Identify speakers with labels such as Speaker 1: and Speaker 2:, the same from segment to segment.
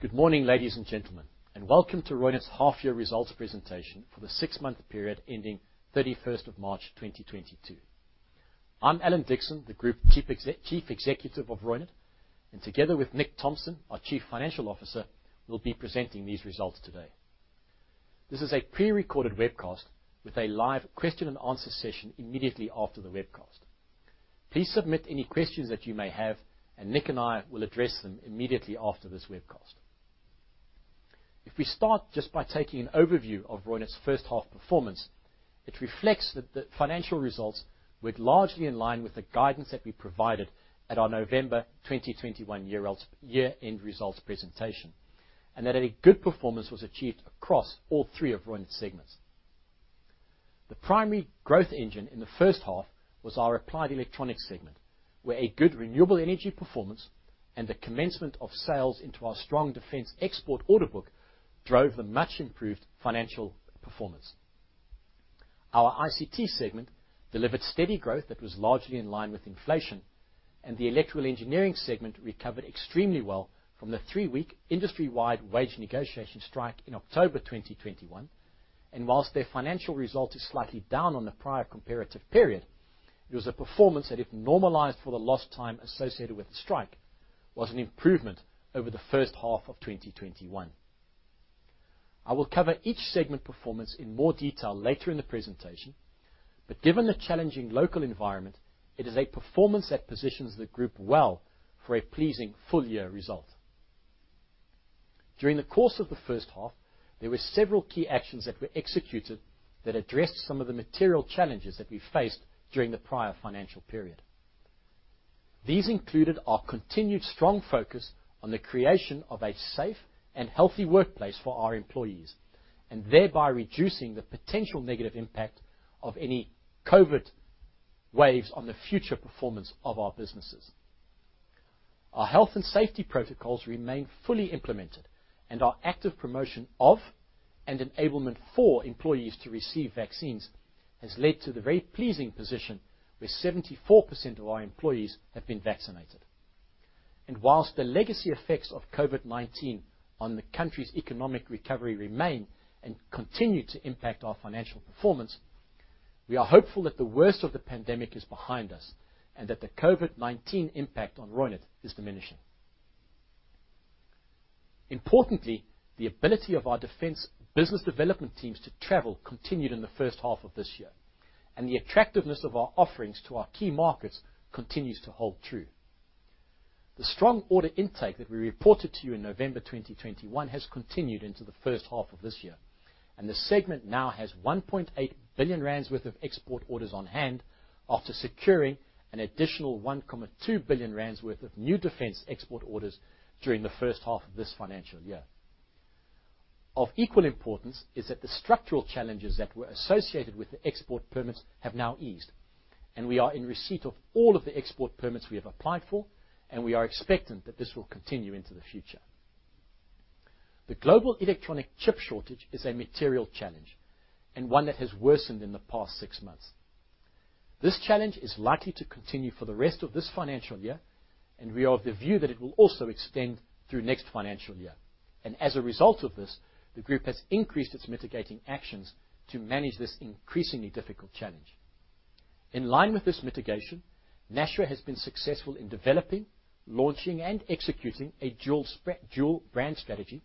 Speaker 1: Good morning, ladies and gentlemen, and welcome to Reunert's half-year results presentation for the six-month period ending thirty-first of March, 2022. I'm Alan Dickson, the Group Chief Executive of Reunert, and together with Nick Thomson, our Chief Financial Officer, we'll be presenting these results today. This is a pre-recorded webcast with a live question and answer session immediately after the webcast. Please submit any questions that you may have, and Nick and I will address them immediately after this webcast. If we start just by taking an overview of Reunert's first half performance, it reflects that the financial results were largely in line with the guidance that we provided at our November 2021 year-end results presentation. That a good performance was achieved across all three of Reunert's segments. The primary growth engine in the first half was our Applied Electronics segment, where a good renewable energy performance and the commencement of sales into our strong defense export order book drove the much improved financial performance. Our ICT segment delivered steady growth that was largely in line with inflation, and the Electrical Engineering segment recovered extremely well from the three-week industry-wide wage negotiation strike in October 2021. While their financial result is slightly down on the prior comparative period, it was a performance that, if normalized for the lost time associated with the strike, was an improvement over the first half of 2021. I will cover each segment performance in more detail later in the presentation. Given the challenging local environment, it is a performance that positions the group well for a pleasing full year result. During the course of the first half, there were several key actions that were executed that addressed some of the material challenges that we faced during the prior financial period. These included our continued strong focus on the creation of a safe and healthy workplace for our employees, and thereby reducing the potential negative impact of any COVID waves on the future performance of our businesses. Our health and safety protocols remain fully implemented, and our active promotion of and enablement for employees to receive vaccines has led to the very pleasing position where 74% of our employees have been vaccinated. While the legacy effects of COVID-19 on the country's economic recovery remain and continue to impact our financial performance, we are hopeful that the worst of the pandemic is behind us and that the COVID-19 impact on Reunert is diminishing. Importantly, the ability of our defense business development teams to travel continued in the first half of this year, and the attractiveness of our offerings to our key markets continues to hold true. The strong order intake that we reported to you in November 2021 has continued into the first half of this year, and the segment now has 1.8 billion rand worth of export orders on hand after securing an additional 1.2 billion rand worth of new defense export orders during the first half of this financial year. Of equal importance is that the structural challenges that were associated with the export permits have now eased, and we are in receipt of all of the export permits we have applied for, and we are expectant that this will continue into the future. The global electronic chip shortage is a material challenge, and one that has worsened in the past six months. This challenge is likely to continue for the rest of this financial year, and we are of the view that it will also extend through next financial year. As a result of this, the group has increased its mitigating actions to manage this increasingly difficult challenge. In line with this mitigation, Nashua has been successful in developing, launching, and executing a dual brand strategy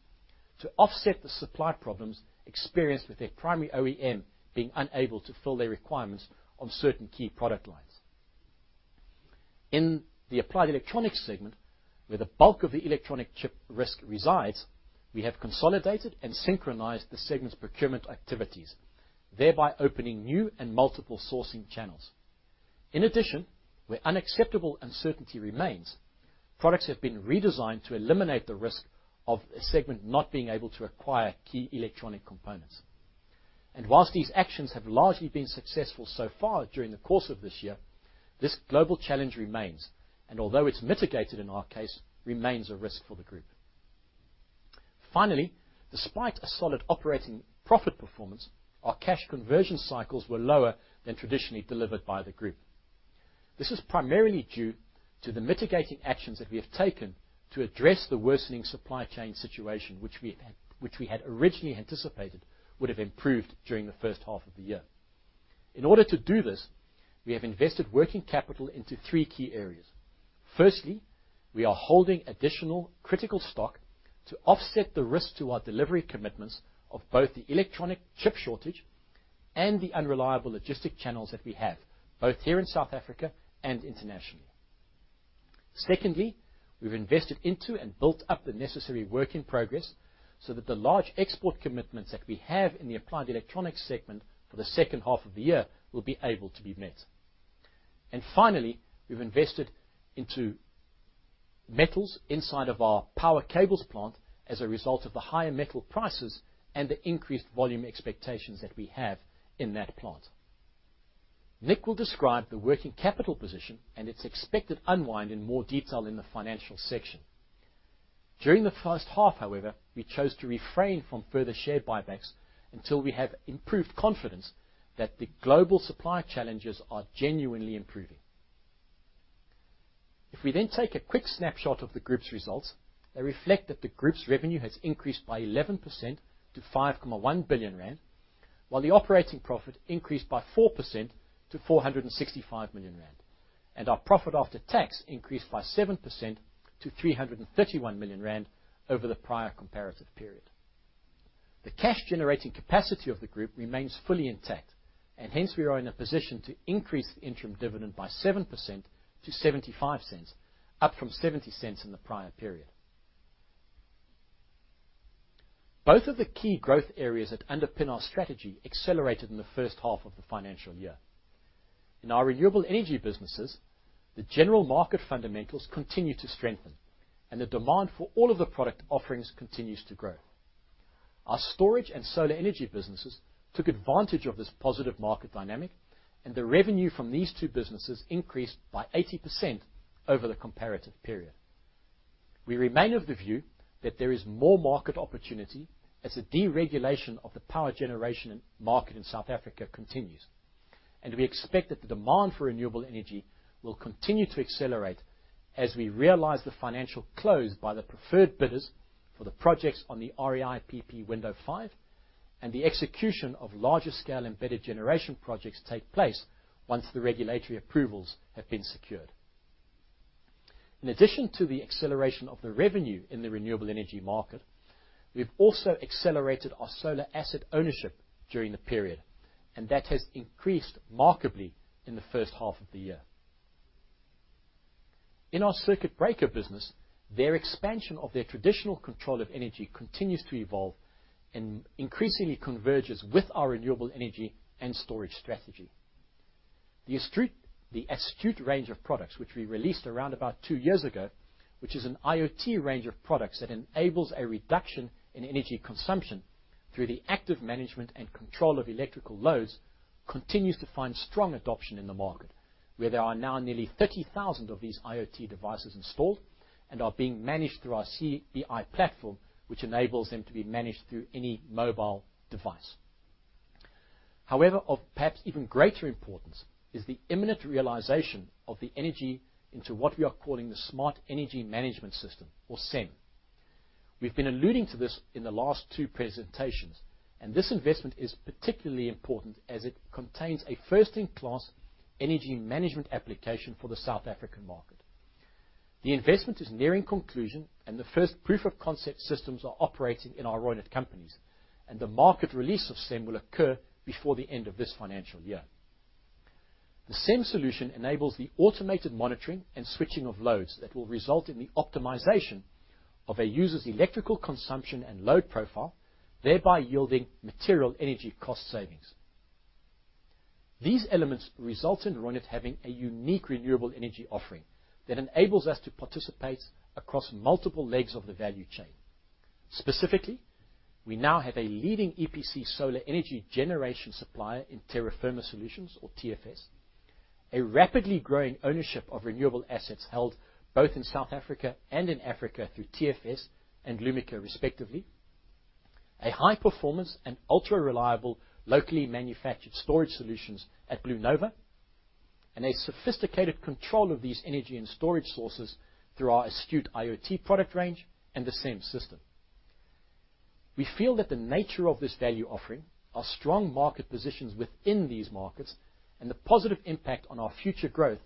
Speaker 1: to offset the supply problems experienced with their primary OEM being unable to fill their requirements on certain key product lines. In the Applied Electronics segment, where the bulk of the electronic chip risk resides, we have consolidated and synchronized the segment's procurement activities, thereby opening new and multiple sourcing channels. In addition, where unacceptable uncertainty remains, products have been redesigned to eliminate the risk of a segment not being able to acquire key electronic components. While these actions have largely been successful so far during the course of this year, this global challenge remains, and although it's mitigated in our case, remains a risk for the group. Finally, despite a solid operating profit performance, our cash conversion cycles were lower than traditionally delivered by the group. This is primarily due to the mitigating actions that we have taken to address the worsening supply chain situation which we had originally anticipated would have improved during the first half of the year. In order to do this, we have invested working capital into three key areas. Firstly, we are holding additional critical stock to offset the risk to our delivery commitments of both the electronic chip shortage and the unreliable logistic channels that we have, both here in South Africa and internationally. Secondly, we've invested into and built up the necessary work in progress so that the large export commitments that we have in the Applied Electronics segment for the second half of the year will be able to be met. Finally, we've invested into metals inside of our power cables plant as a result of the higher metal prices and the increased volume expectations that we have in that plant. Nick will describe the working capital position and its expected unwind in more detail in the financial section. During the first half, however, we chose to refrain from further share buybacks until we have improved confidence that the global supply challenges are genuinely improving. If we then take a quick snapshot of the group's results, they reflect that the group's revenue has increased by 11% to 5.1 billion rand, while the operating profit increased by 4% to 465 million rand, and our profit after tax increased by 7% to 331 million rand over the prior comparative period. The cash generating capacity of the group remains fully intact, and hence, we are in a position to increase the interim dividend by 7% to 0.75, up from 0.70 in the prior period. Both of the key growth areas that underpin our strategy accelerated in the first half of the financial year. In our renewable energy businesses, the general market fundamentals continue to strengthen, and the demand for all of the product offerings continues to grow. Our storage and solar energy businesses took advantage of this positive market dynamic, and the revenue from these two businesses increased by 80% over the comparative period. We remain of the view that there is more market opportunity as the deregulation of the power generation market in South Africa continues. We expect that the demand for renewable energy will continue to accelerate as we realize the financial close by the preferred bidders for the projects on the REIPPPP Bid Window 5 and the execution of larger scale embedded generation projects take place once the regulatory approvals have been secured. In addition to the acceleration of the revenue in the renewable energy market, we've also accelerated our solar asset ownership during the period, and that has increased remarkably in the first half of the year. In our circuit breaker business, their expansion of their traditional control of energy continues to evolve and increasingly converges with our renewable energy and storage strategy. The Astute Range of products, which we released around about two years ago, which is an IoT range of products that enables a reduction in energy consumption through the active management and control of electrical loads, continues to find strong adoption in the market, where there are now nearly 30,000 of these IoT devices installed and are being managed through our CBi platform, which enables them to be managed through any mobile device. However, of perhaps even greater importance is the imminent realization of the energy into what we are calling the Smart Energy Management system, or SEM. We've been alluding to this in the last two presentations, and this investment is particularly important as it contains a first-in-class energy management application for the South African market. The investment is nearing conclusion and the first proof-of-concept systems are operating in our Reunert companies, and the market release of SEM will occur before the end of this financial year. The SEM solution enables the automated monitoring and switching of loads that will result in the optimization of a user's electrical consumption and load profile, thereby yielding material energy cost savings. These elements result in Reunert having a unique renewable energy offering that enables us to participate across multiple legs of the value chain. Specifically, we now have a leading EPC solar energy generation supplier in Terra Firma Solutions, or TFS. A rapidly growing ownership of renewable assets held both in South Africa and in Africa through TFS and Lūmika, respectively. A high-performance and ultra-reliable, locally manufactured storage solutions at BlueNova, and a sophisticated control of these energy and storage sources through our Astute IoT product range and the SEM system. We feel that the nature of this value offering, our strong market positions within these markets, and the positive impact on our future growth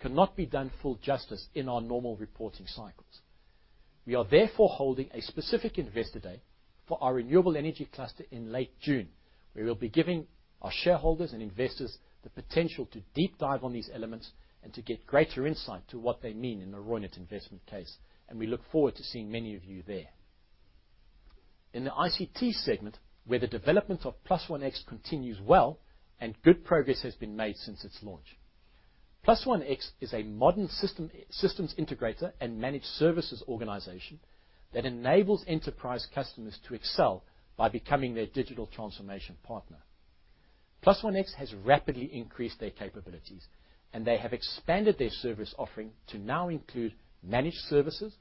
Speaker 1: cannot be done full justice in our normal reporting cycles. We are therefore holding a specific investor day for our renewable energy cluster in late June, where we'll be giving our shareholders and investors the potential to deep dive on these elements and to get greater insight to what they mean in the Reunert investment case, and we look forward to seeing many of you there. In the ICT segment, where the development of +OneX continues well and good progress has been made since its launch. +OneX is a modern systems integrator and managed services organization that enables enterprise customers to excel by becoming their digital transformation partner. +OneX has rapidly increased their capabilities, and they have expanded their service offering to now include managed services,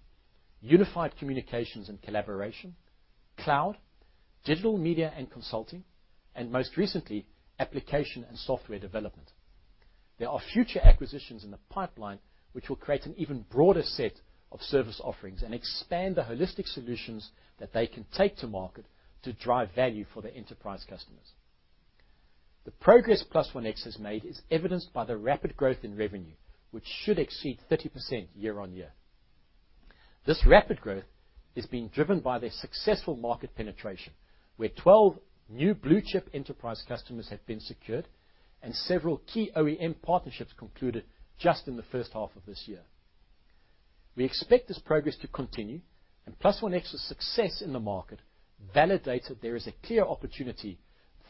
Speaker 1: unified communications and collaboration, cloud, digital media and consulting, and most recently, application and software development. There are future acquisitions in the pipeline which will create an even broader set of service offerings and expand the holistic solutions that they can take to market to drive value for their enterprise customers. The progress +OneX has made is evidenced by the rapid growth in revenue, which should exceed 30% year-on-year. This rapid growth is being driven by their successful market penetration, where 12 new blue chip enterprise customers have been secured and several key OEM partnerships concluded just in the first half of this year. We expect this progress to continue, and +OneX's success in the market validates that there is a clear opportunity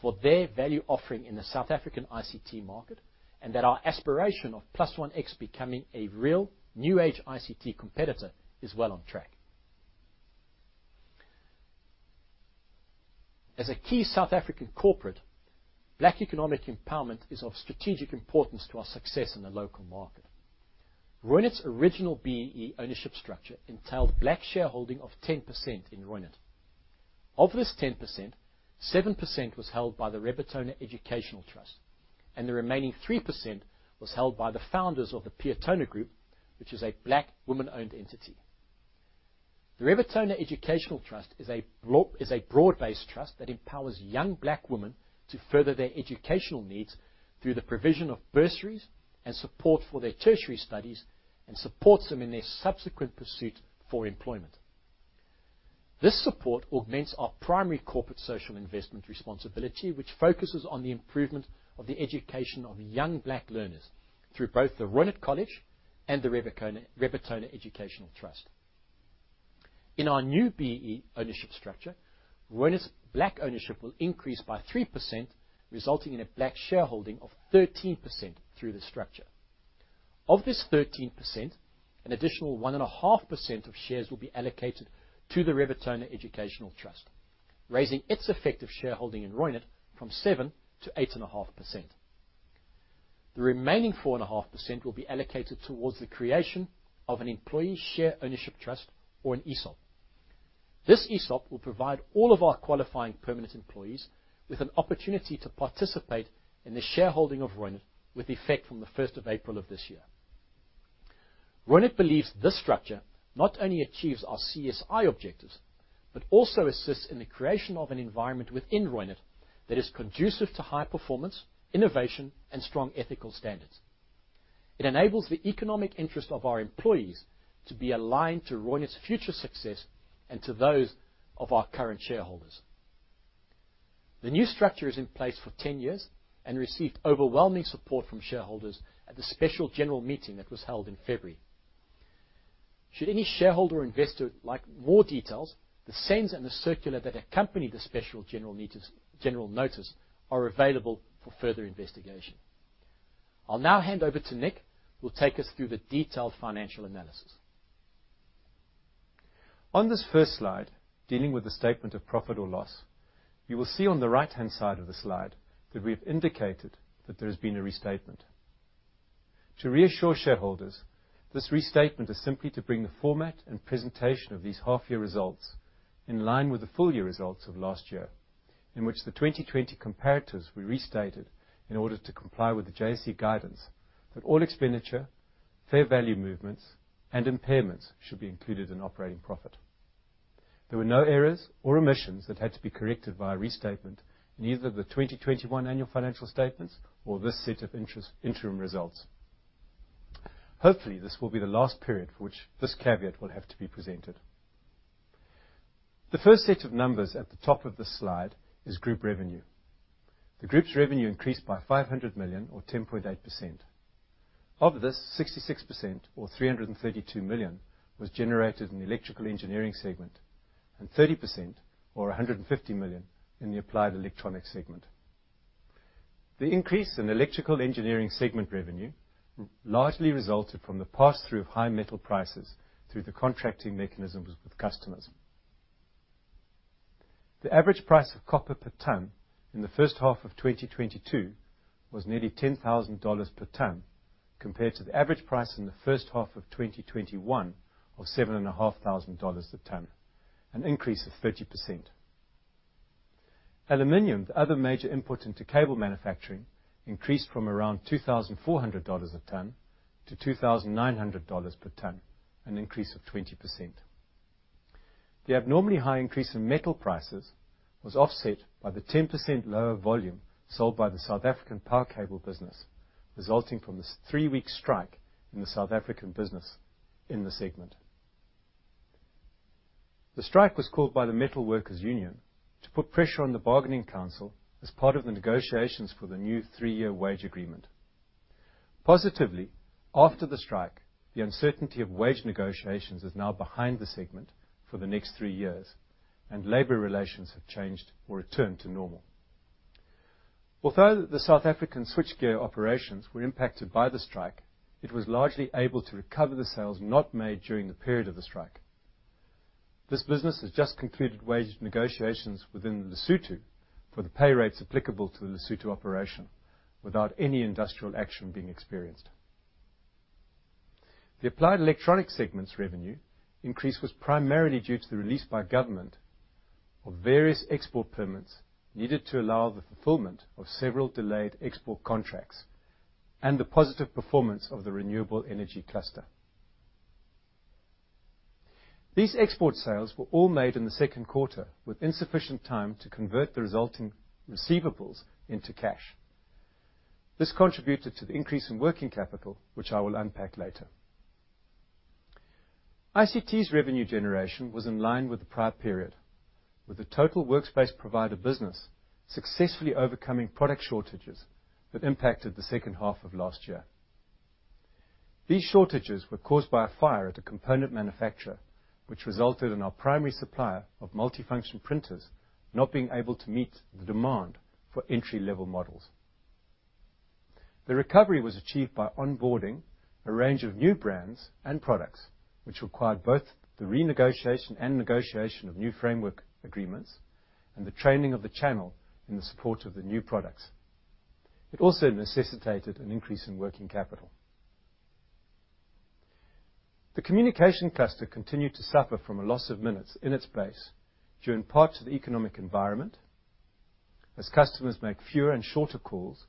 Speaker 1: for their value offering in the South African ICT market, and that our aspiration of +OneX becoming a real new age ICT competitor is well on track. As a key South African corporate, Black economic empowerment is of strategic importance to our success in the local market. Reunert's original BEE ownership structure entailed Black shareholding of 10% in Reunert. Of this 10%, 7% was held by the Rebatona Educational Trust, and the remaining 3% was held by the founders of the Peotona Group, which is a Black woman-owned entity. The Rebatona Educational Trust is a broad-based trust that empowers young Black women to further their educational needs through the provision of bursaries and support for their tertiary studies, and supports them in their subsequent pursuit for employment. This support augments our primary corporate social investment responsibility, which focuses on the improvement of the education of young Black learners through both the Reunert College and the Rebatona Educational Trust. In our new BEE ownership structure, Reunert's Black ownership will increase by 3%, resulting in a Black shareholding of 13% through this structure. Of this 13%, an additional 1.5% of shares will be allocated to the Rebatona Educational Trust, raising its effective shareholding in Reunert from 7%-8.5%. The remaining 4.5% will be allocated towards the creation of an employee share ownership trust or an ESOP. This ESOP will provide all of our qualifying permanent employees with an opportunity to participate in the shareholding of Reunert with effect from the first of April of this year. Reunert believes this structure not only achieves our CSI objectives, but also assists in the creation of an environment within Reunert that is conducive to high performance, innovation, and strong ethical standards. It enables the economic interest of our employees to be aligned to Reunert's future success and to those of our current shareholders. The new structure is in place for 10 years and received overwhelming support from shareholders at the special general meeting that was held in February. Should any shareholder or investor like more details, the SENS and the circular that accompany the special general meeting notice are available for further investigation. I'll now hand over to Nick, who will take us through the detailed financial analysis.
Speaker 2: On this first slide, dealing with the statement of profit or loss, you will see on the right-hand side of the slide that we have indicated that there has been a restatement. To reassure shareholders, this restatement is simply to bring the format and presentation of these half-year results in line with the full year results of last year, in which the 2020 comparators were restated in order to comply with the JSE guidance that all expenditure, fair value movements, and impairments should be included in operating profit. There were no errors or omissions that had to be corrected via restatement in either the 2021 annual financial statements or this set of interim results. Hopefully, this will be the last period for which this caveat will have to be presented. The first set of numbers at the top of this slide is group revenue. The group's revenue increased by 500 million or 10.8%. Of this, 66% or 332 million was generated in the Electrical Engineering segment, and 30% or 150 million in the Applied Electronics segment. The increase in Electrical Engineering segment revenue largely resulted from the pass-through of high metal prices through the contracting mechanisms with customers. The average price of copper per ton in the first half of 2022 was nearly $10,000 per ton, compared to the average price in the first half of 2021 of $7,500 a ton, an increase of 30%. Aluminum, the other major input into cable manufacturing, increased from around $2,400 a ton to $2,900 per ton, an increase of 20%. The abnormally high increase in metal prices was offset by the 10% lower volume sold by the South African power cable business, resulting from this three-week strike in the South African business in the segment. The strike was called by NUMSA to put pressure on the bargaining council as part of the negotiations for the new three-year wage agreement. Positively, after the strike, the uncertainty of wage negotiations is now behind the segment for the next three years, and labor relations have changed or returned to normal. Although the South African switchgear operations were impacted by the strike, it was largely able to recover the sales not made during the period of the strike. This business has just concluded wage negotiations within Lesotho for the pay rates applicable to the Lesotho operation without any industrial action being experienced. The Applied Electronics segment's revenue increase was primarily due to the release by government of various export permits needed to allow the fulfillment of several delayed export contracts and the positive performance of the renewable energy cluster. These export sales were all made in the second quarter with insufficient time to convert the resulting receivables into cash. This contributed to the increase in working capital, which I will unpack later. ICT's revenue generation was in line with the prior period, with the Total Workspace Provider business successfully overcoming product shortages that impacted the second half of last year. These shortages were caused by a fire at a component manufacturer, which resulted in our primary supplier of multifunction printers not being able to meet the demand for entry-level models. The recovery was achieved by onboarding a range of new brands and products, which required both the renegotiation and negotiation of new framework agreements and the training of the channel in the support of the new products. It also necessitated an increase in working capital. The communication cluster continued to suffer from a loss of minutes in its base during parts of the economic environment as customers make fewer and shorter calls,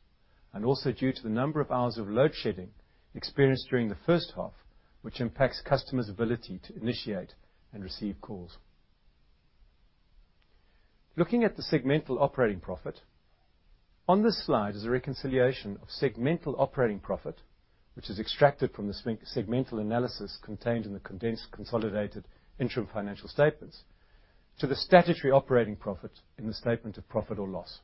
Speaker 2: and also due to the number of hours of load shedding experienced during the first half, which impacts customers' ability to initiate and receive calls. Looking at the segmental operating profit, on this slide is a reconciliation of segmental operating profit, which is extracted from the segmental analysis contained in the condensed consolidated interim financial statements to the statutory operating profit in the statement of profit or loss.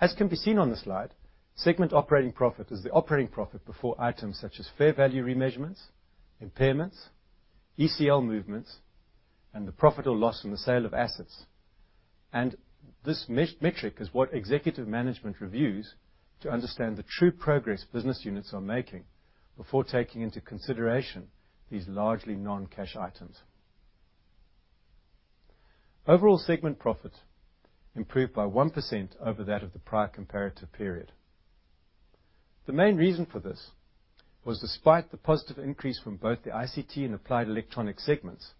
Speaker 2: As can be seen on the slide, segment operating profit is the operating profit before items such as fair value remeasurements, impairments, ECL movements, and the profit or loss from the sale of assets. This metric is what executive management reviews to understand the true progress business units are making before taking into consideration these largely non-cash items. Overall segment profit improved by 1% over that of the prior comparative period. The main reason for this was despite the positive increase from both the ICT and applied electronics segments,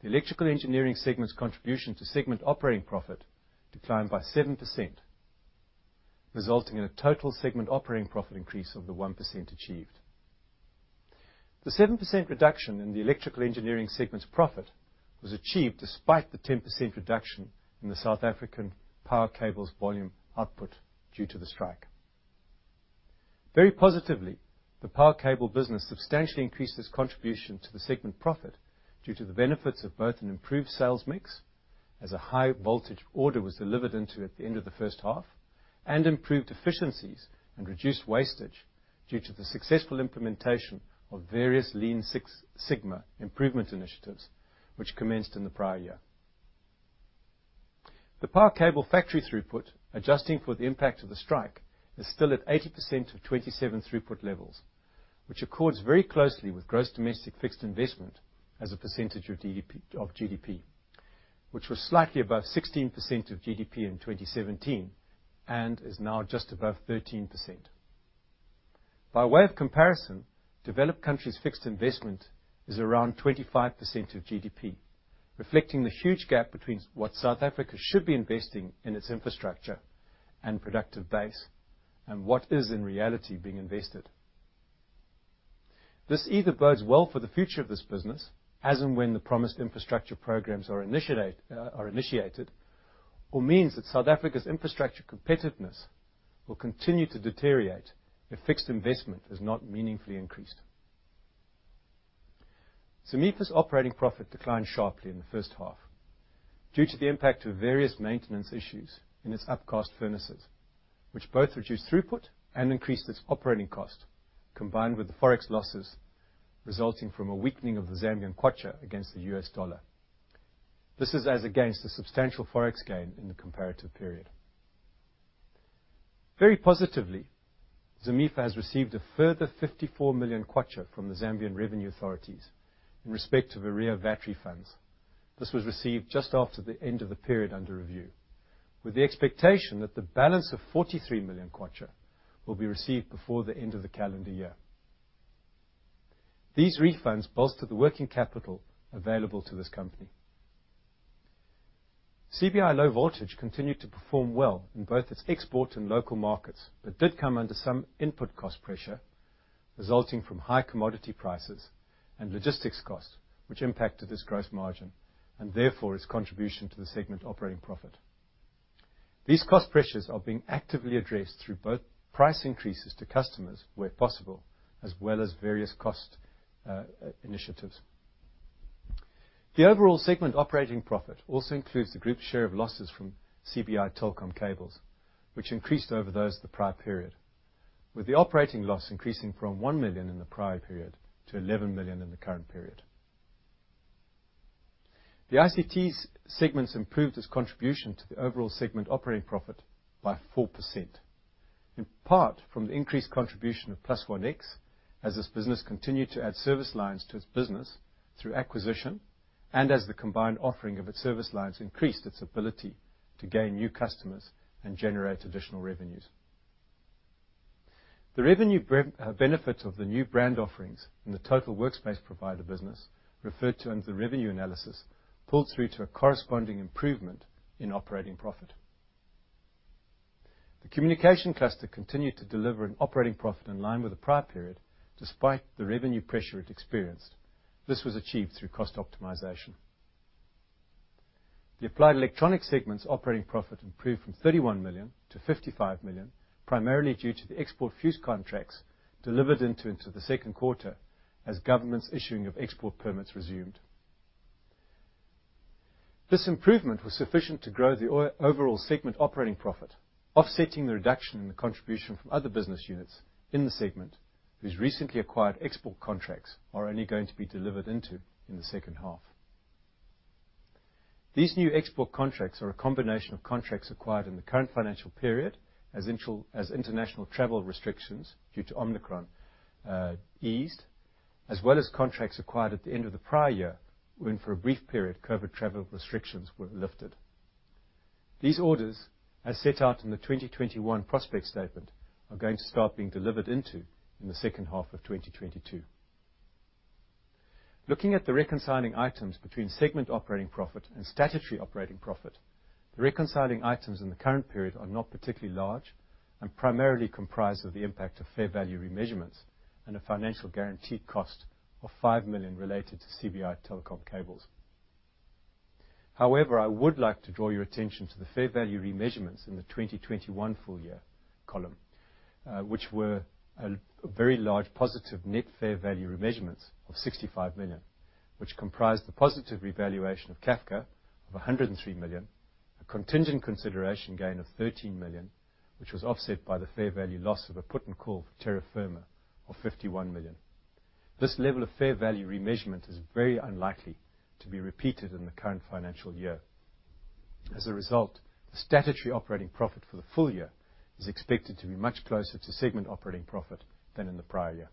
Speaker 2: the electrical engineering segment's contribution to segment operating profit declined by 7%, resulting in a total segment operating profit increase of the 1% achieved. The 7% reduction in the electrical engineering segment's profit was achieved despite the 10% reduction in the South African power cables volume output due to the strike. Very positively, the power cable business substantially increased its contribution to the segment profit due to the benefits of both an improved sales mix as a high voltage order was delivered at the end of the first half, and improved efficiencies and reduced wastage due to the successful implementation of various Lean Six Sigma improvement initiatives, which commenced in the prior year. The power cable factory throughput, adjusting for the impact of the strike, is still at 80% of 2017 throughput levels, which accords very closely with gross domestic fixed investment as a percentage of GDP, which was slightly above 16% of GDP in 2017 and is now just above 13%. By way of comparison, developed countries' fixed investment is around 25% of GDP, reflecting the huge gap between what South Africa should be investing in its infrastructure and productive base and what is in reality being invested. This either bodes well for the future of this business as and when the promised infrastructure programs are initiated, or means that South Africa's infrastructure competitiveness will continue to deteriorate if fixed investment is not meaningfully increased. Zamefa's operating profit declined sharply in the first half due to the impact of various maintenance issues in its upcast furnaces, which both reduced throughput and increased its operating cost, combined with the Forex losses resulting from a weakening of the Zambian kwacha against the US dollar. This is as against the substantial Forex gain in the comparative period. Very positively, Zamefa has received a further ZMW 54 million from the Zambia Revenue Authority in respect of arrear VAT refunds. This was received just after the end of the period under review, with the expectation that the balance of ZMW 43 million will be received before the end of the calendar year. These refunds bolster the working capital available to this company. CBi Low Voltage continued to perform well in both its export and local markets, but did come under some input cost pressure, resulting from high commodity prices and logistics costs, which impacted its gross margin and therefore its contribution to the segment operating profit. These cost pressures are being actively addressed through both price increases to customers where possible, as well as various cost initiatives. The overall segment operating profit also includes the group share of losses from CBi Telecom Cables, which increased over those of the prior period, with the operating loss increasing from 1 million in the prior period to 11 million in the current period. The ICT segment improved its contribution to the overall segment operating profit by 4%, in part from the increased contribution of +OneX as this business continued to add service lines to its business through acquisition and as the combined offering of its service lines increased its ability to gain new customers and generate additional revenues. The revenue benefit of the new brand offerings in the Total Workspace Provider business, referred to in the revenue analysis, pulled through to a corresponding improvement in operating profit. The communication cluster continued to deliver an operating profit in line with the prior period, despite the revenue pressure it experienced. This was achieved through cost optimization. The Applied Electronics segment's operating profit improved from 31 million-55 million, primarily due to the export fuze contracts delivered into the second quarter as governments' issuing of export permits resumed. This improvement was sufficient to grow the overall segment operating profit, offsetting the reduction in the contribution from other business units in the segment whose recently acquired export contracts are only going to be delivered into the second half. These new export contracts are a combination of contracts acquired in the current financial period as international travel restrictions due to Omicron eased, as well as contracts acquired at the end of the prior year when for a brief period, COVID travel restrictions were lifted. These orders, as set out in the 2021 prospectus statement, are going to start being delivered in the second half of 2022. Looking at the reconciling items between segment operating profit and statutory operating profit, the reconciling items in the current period are not particularly large and primarily comprised of the impact of fair value remeasurements and a financial guarantee cost of 5 million related to CBi Telecom Cables. However, I would like to draw your attention to the fair value remeasurements in the 2021 full year column, which were a very large positive net fair value remeasurement of 65 million, which comprised the positive revaluation of CAFCA of 103 million, a contingent consideration gain of 13 million, which was offset by the fair value loss of a put and call for Terra Firma of 51 million. This level of fair value remeasurement is very unlikely to be repeated in the current financial year. As a result, the statutory operating profit for the full year is expected to be much closer to segment operating profit than in the prior year.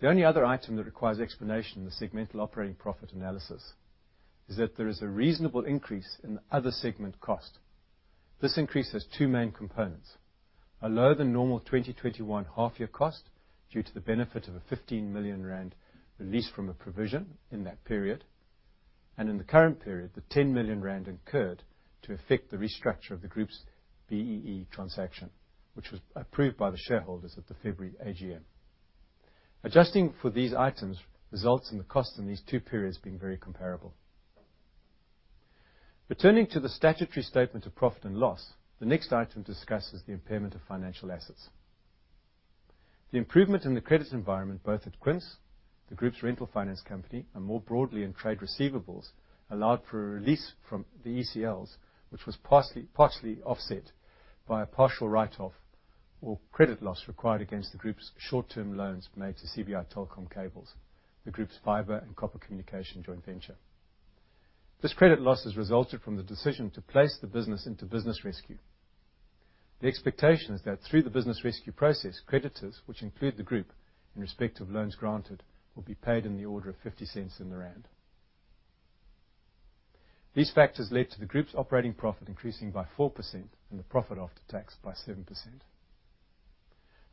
Speaker 2: The only other item that requires explanation in the segmental operating profit analysis is that there is a reasonable increase in other segment cost. This increase has two main components, below the normal 2021 half-year cost due to the benefit of 15 million rand released from a provision in that period, and in the current period, the 10 million rand incurred to affect the restructure of the group's BEE transaction, which was approved by the shareholders at the February AGM. Adjusting for these items results in the cost in these two periods being very comparable. Returning to the statutory statement of profit and loss, the next item discusses the impairment of financial assets. The improvement in the credit environment, both at Quince, the group's rental finance company, and more broadly in trade receivables, allowed for a release from the ECLs, which was partly, partially offset by a partial write-off or credit loss required against the group's short-term loans made to CBi Telecom Cables, the group's fiber and copper communication joint venture. This credit loss has resulted from the decision to place the business into business rescue. The expectation is that through the business rescue process, creditors, which include the group in respect of loans granted, will be paid in the order of 50 cents in the rand. These factors led to the group's operating profit increasing by 4% and the profit after tax by 7%.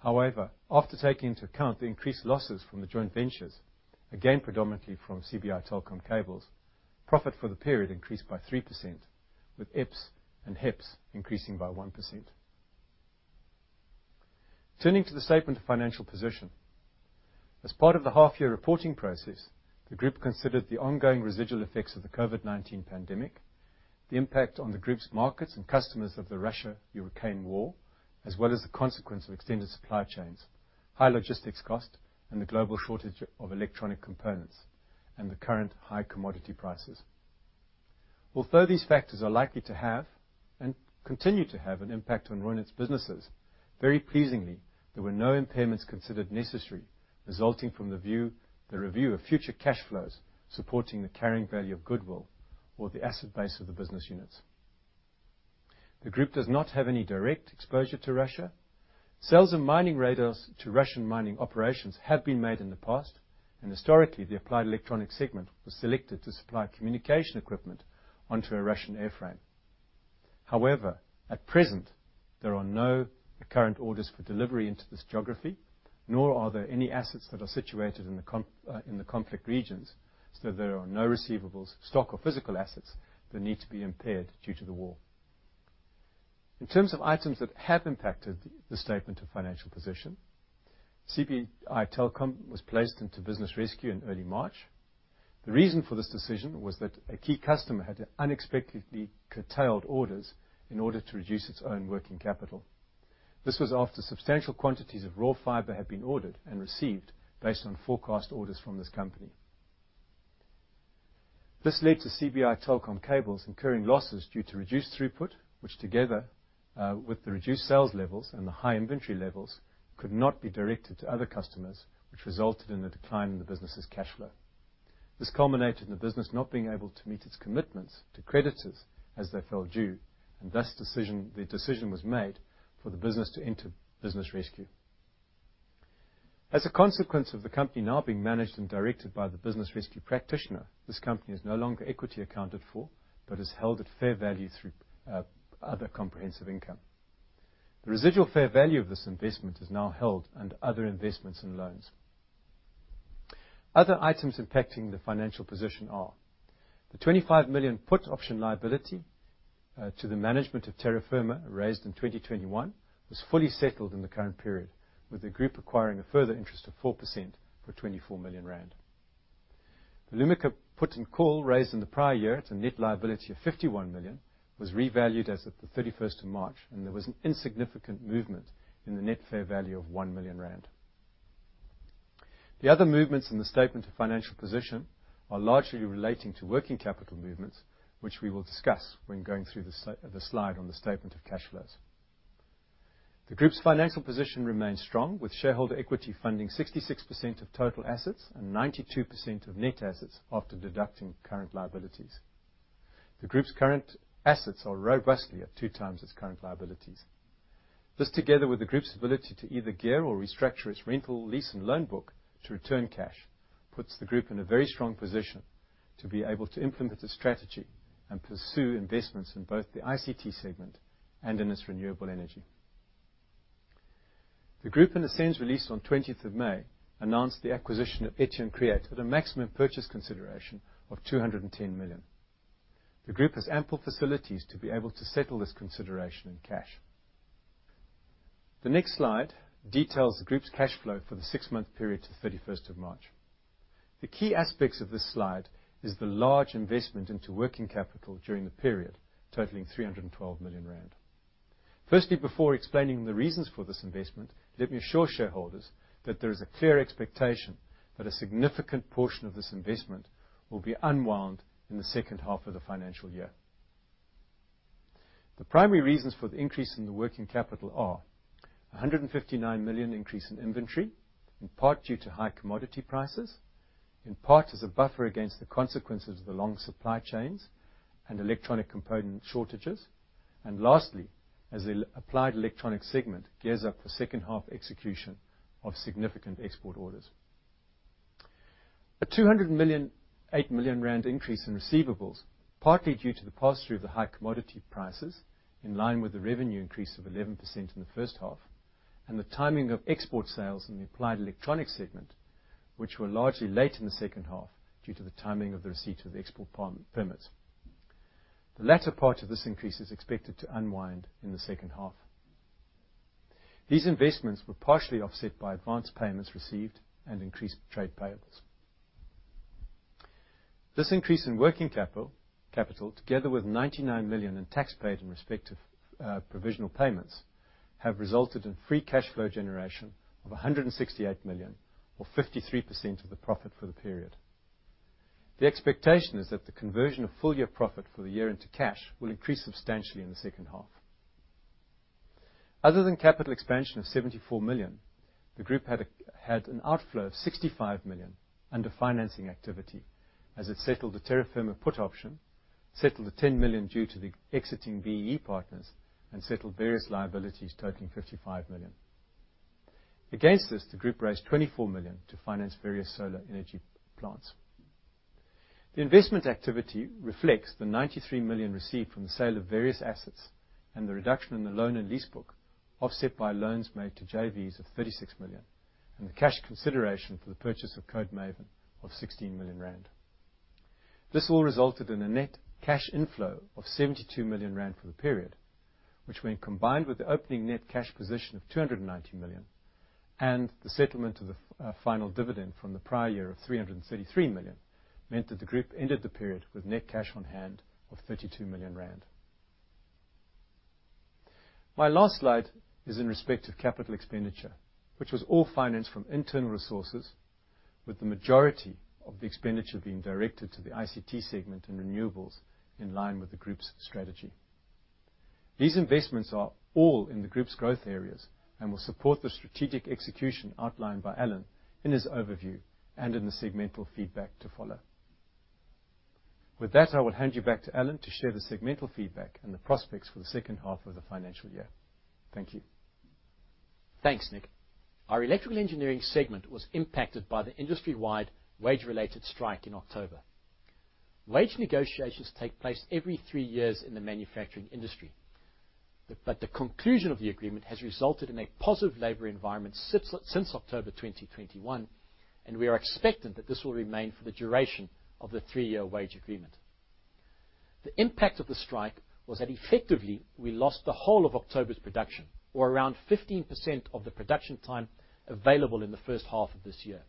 Speaker 2: However, after taking into account the increased losses from the joint ventures, again predominantly from CBi Telecom Cables, profit for the period increased by 3%, with EPS and HEPS increasing by 1%. Turning to the statement of financial position. As part of the half-year reporting process, the group considered the ongoing residual effects of the COVID-19 pandemic, the impact on the group's markets and customers of the Russia-Ukraine war, as well as the consequence of extended supply chains, high logistics cost, and the global shortage of electronic components, and the current high commodity prices. Although these factors are likely to have and continue to have an impact on Reunert's businesses, very pleasingly, there were no impairments considered necessary resulting from the review of future cash flows supporting the carrying value of goodwill or the asset base of the business units. The group does not have any direct exposure to Russia. Sales of mining radars to Russian mining operations have been made in the past, and historically, the Applied Electronics segment was selected to supply communication equipment onto a Russian airframe. However, at present, there are no current orders for delivery into this geography, nor are there any assets that are situated in the conflict regions, so there are no receivables, stock, or physical assets that need to be impaired due to the war. In terms of items that have impacted the statement of financial position, CBi Telecom was placed into business rescue in early March. The reason for this decision was that a key customer had unexpectedly curtailed orders in order to reduce its own working capital. This was after substantial quantities of raw fiber had been ordered and received based on forecast orders from this company. This led to CBi Telecom Cables incurring losses due to reduced throughput, which together with the reduced sales levels and the high inventory levels, could not be directed to other customers, which resulted in a decline in the business's cash flow. This culminated in the business not being able to meet its commitments to creditors as they fell due, and thus the decision was made for the business to enter business rescue. As a consequence of the company now being managed and directed by the business rescue practitioner, this company is no longer equity accounted for, but is held at fair value through other comprehensive income. The residual fair value of this investment is now held under other investments and loans. Other items impacting the financial position are the 25 million put option liability to the management of Terra Firma raised in 2021 was fully settled in the current period, with the group acquiring a further interest of 4% for 24 million rand. The Lumika put and call raised in the prior year at a net liability of 51 million was revalued as of 31st of March, and there was an insignificant movement in the net fair value of 1 million rand. The other movements in the statement of financial position are largely relating to working capital movements, which we will discuss when going through the slide on the statement of cash flows. The group's financial position remains strong, with shareholder equity funding 66% of total assets and 92% of net assets after deducting current liabilities. The group's current assets are robustly at two times its current liabilities. This, together with the group's ability to either gear or restructure its rental lease and loan book to return cash, puts the group in a very strong position to be able to implement the strategy and pursue investments in both the ICT segment and in its renewable energy. The group, in the same release on twentieth of May, announced the acquisition of Etion Create at a maximum purchase consideration of 210 million. The group has ample facilities to be able to settle this consideration in cash. The next slide details the group's cash flow for the six-month period to the thirty-first of March. The key aspects of this slide is the large investment into working capital during the period, totaling 312 million rand. Firstly, before explaining the reasons for this investment, let me assure shareholders that there is a clear expectation that a significant portion of this investment will be unwound in the second half of the financial year. The primary reasons for the increase in the working capital are 159 million increase in inventory, in part due to high commodity prices, in part as a buffer against the consequences of the long supply chains and electronic component shortages. Lastly, as the Applied Electronics segment gears up for second-half execution of significant export orders. A 208 million increase in receivables, partly due to the pass-through of the high commodity prices in line with the revenue increase of 11% in the first half and the timing of export sales in the Applied Electronics segment, which were largely late in the second half due to the timing of the receipt of the export permits. The latter part of this increase is expected to unwind in the second half. These investments were partially offset by advanced payments received and increased trade payables. This increase in working capital together with 99 million in tax paid in respect of provisional payments have resulted in free cash flow generation of 168 million or 53% of the profit for the period. The expectation is that the conversion of full year profit for the year into cash will increase substantially in the second half. Other than capital expansion of 74 million, the group had an outflow of 65 million under financing activity as it settled the Terra Firma put option, settled the 10 million due to the exiting BEE partners, and settled various liabilities totaling 55 million. Against this, the group raised 24 million to finance various solar energy plants. The investment activity reflects the 93 million received from the sale of various assets and the reduction in the loan and lease book, offset by loans made to JVs of 36 million, and the cash consideration for the purchase of Code Maven of 16 million rand. This all resulted in a net cash inflow of 72 million rand for the period, which when combined with the opening net cash position of 290 million and the settlement of the final dividend from the prior year of 333 million, meant that the group ended the period with net cash on hand of 32 million rand. My last slide is in respect to capital expenditure, which was all financed from internal resources, with the majority of the expenditure being directed to the ICT segment and renewables in line with the group's strategy. These investments are all in the group's growth areas and will support the strategic execution outlined by Alan in his overview and in the segmental feedback to follow. With that, I will hand you back to Alan to share the segmental feedback and the prospects for the second half of the financial year. Thank you.
Speaker 1: Thanks, Nick. Our Electrical Engineering segment was impacted by the industry-wide wage-related strike in October. Wage negotiations take place every three years in the manufacturing industry. The conclusion of the agreement has resulted in a positive labor environment since October 2021, and we are expectant that this will remain for the duration of the three-year wage agreement. The impact of the strike was that effectively, we lost the whole of October's production or around 15% of the production time available in the first half of this year.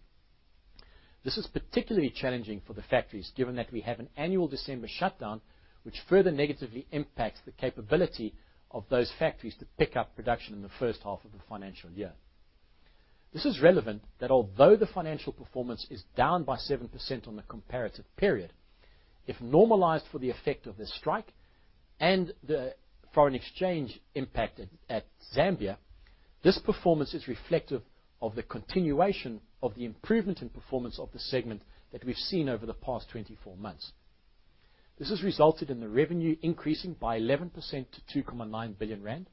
Speaker 1: This is particularly challenging for the factories, given that we have an annual December shutdown, which further negatively impacts the capability of those factories to pick up production in the first half of the financial year. It's relevant that although the financial performance is down by 7% on the comparative period, if normalized for the effect of the strike and the foreign exchange impact at Zambia, this performance is reflective of the continuation of the improvement in performance of the segment that we've seen over the past 24 months. This has resulted in the revenue increasing by 11% to 2.9 billion rand,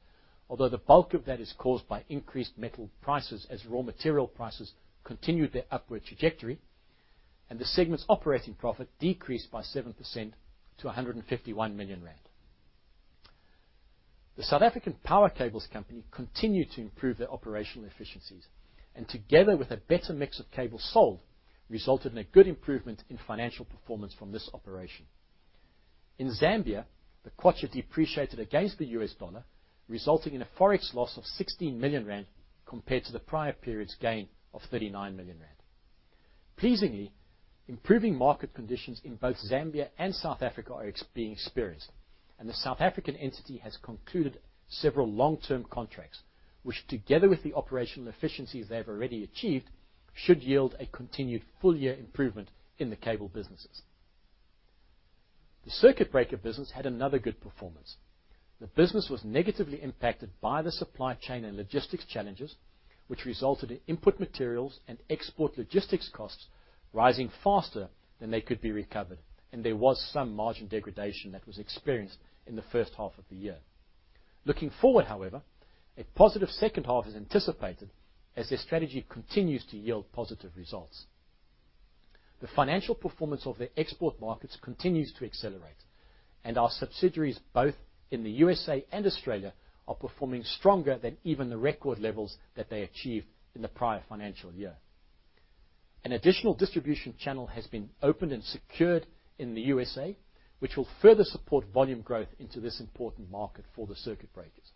Speaker 1: although the bulk of that is caused by increased metal prices as raw material prices continued their upward trajectory, and the segment's operating profit decreased by 7% to 151 million rand. The South African Power Cables company continued to improve their operational efficiencies, and together with a better mix of cables sold, resulted in a good improvement in financial performance from this operation. In Zambia, the kwacha depreciated against the US dollar, resulting in a Forex loss of 16 million rand compared to the prior period's gain of 39 million rand. Pleasingly, improving market conditions in both Zambia and South Africa are being experienced, and the South African entity has concluded several long-term contracts, which, together with the operational efficiencies they've already achieved, should yield a continued full-year improvement in the cable businesses. The circuit breaker business had another good performance. The business was negatively impacted by the supply chain and logistics challenges, which resulted in input materials and export logistics costs rising faster than they could be recovered. There was some margin degradation that was experienced in the first half of the year. Looking forward, however, a positive second half is anticipated as this strategy continues to yield positive results. The financial performance of the export markets continues to accelerate, and our subsidiaries, both in the USA and Australia, are performing stronger than even the record levels that they achieved in the prior financial year. An additional distribution channel has been opened and secured in the USA, which will further support volume growth into this important market for the circuit breakers.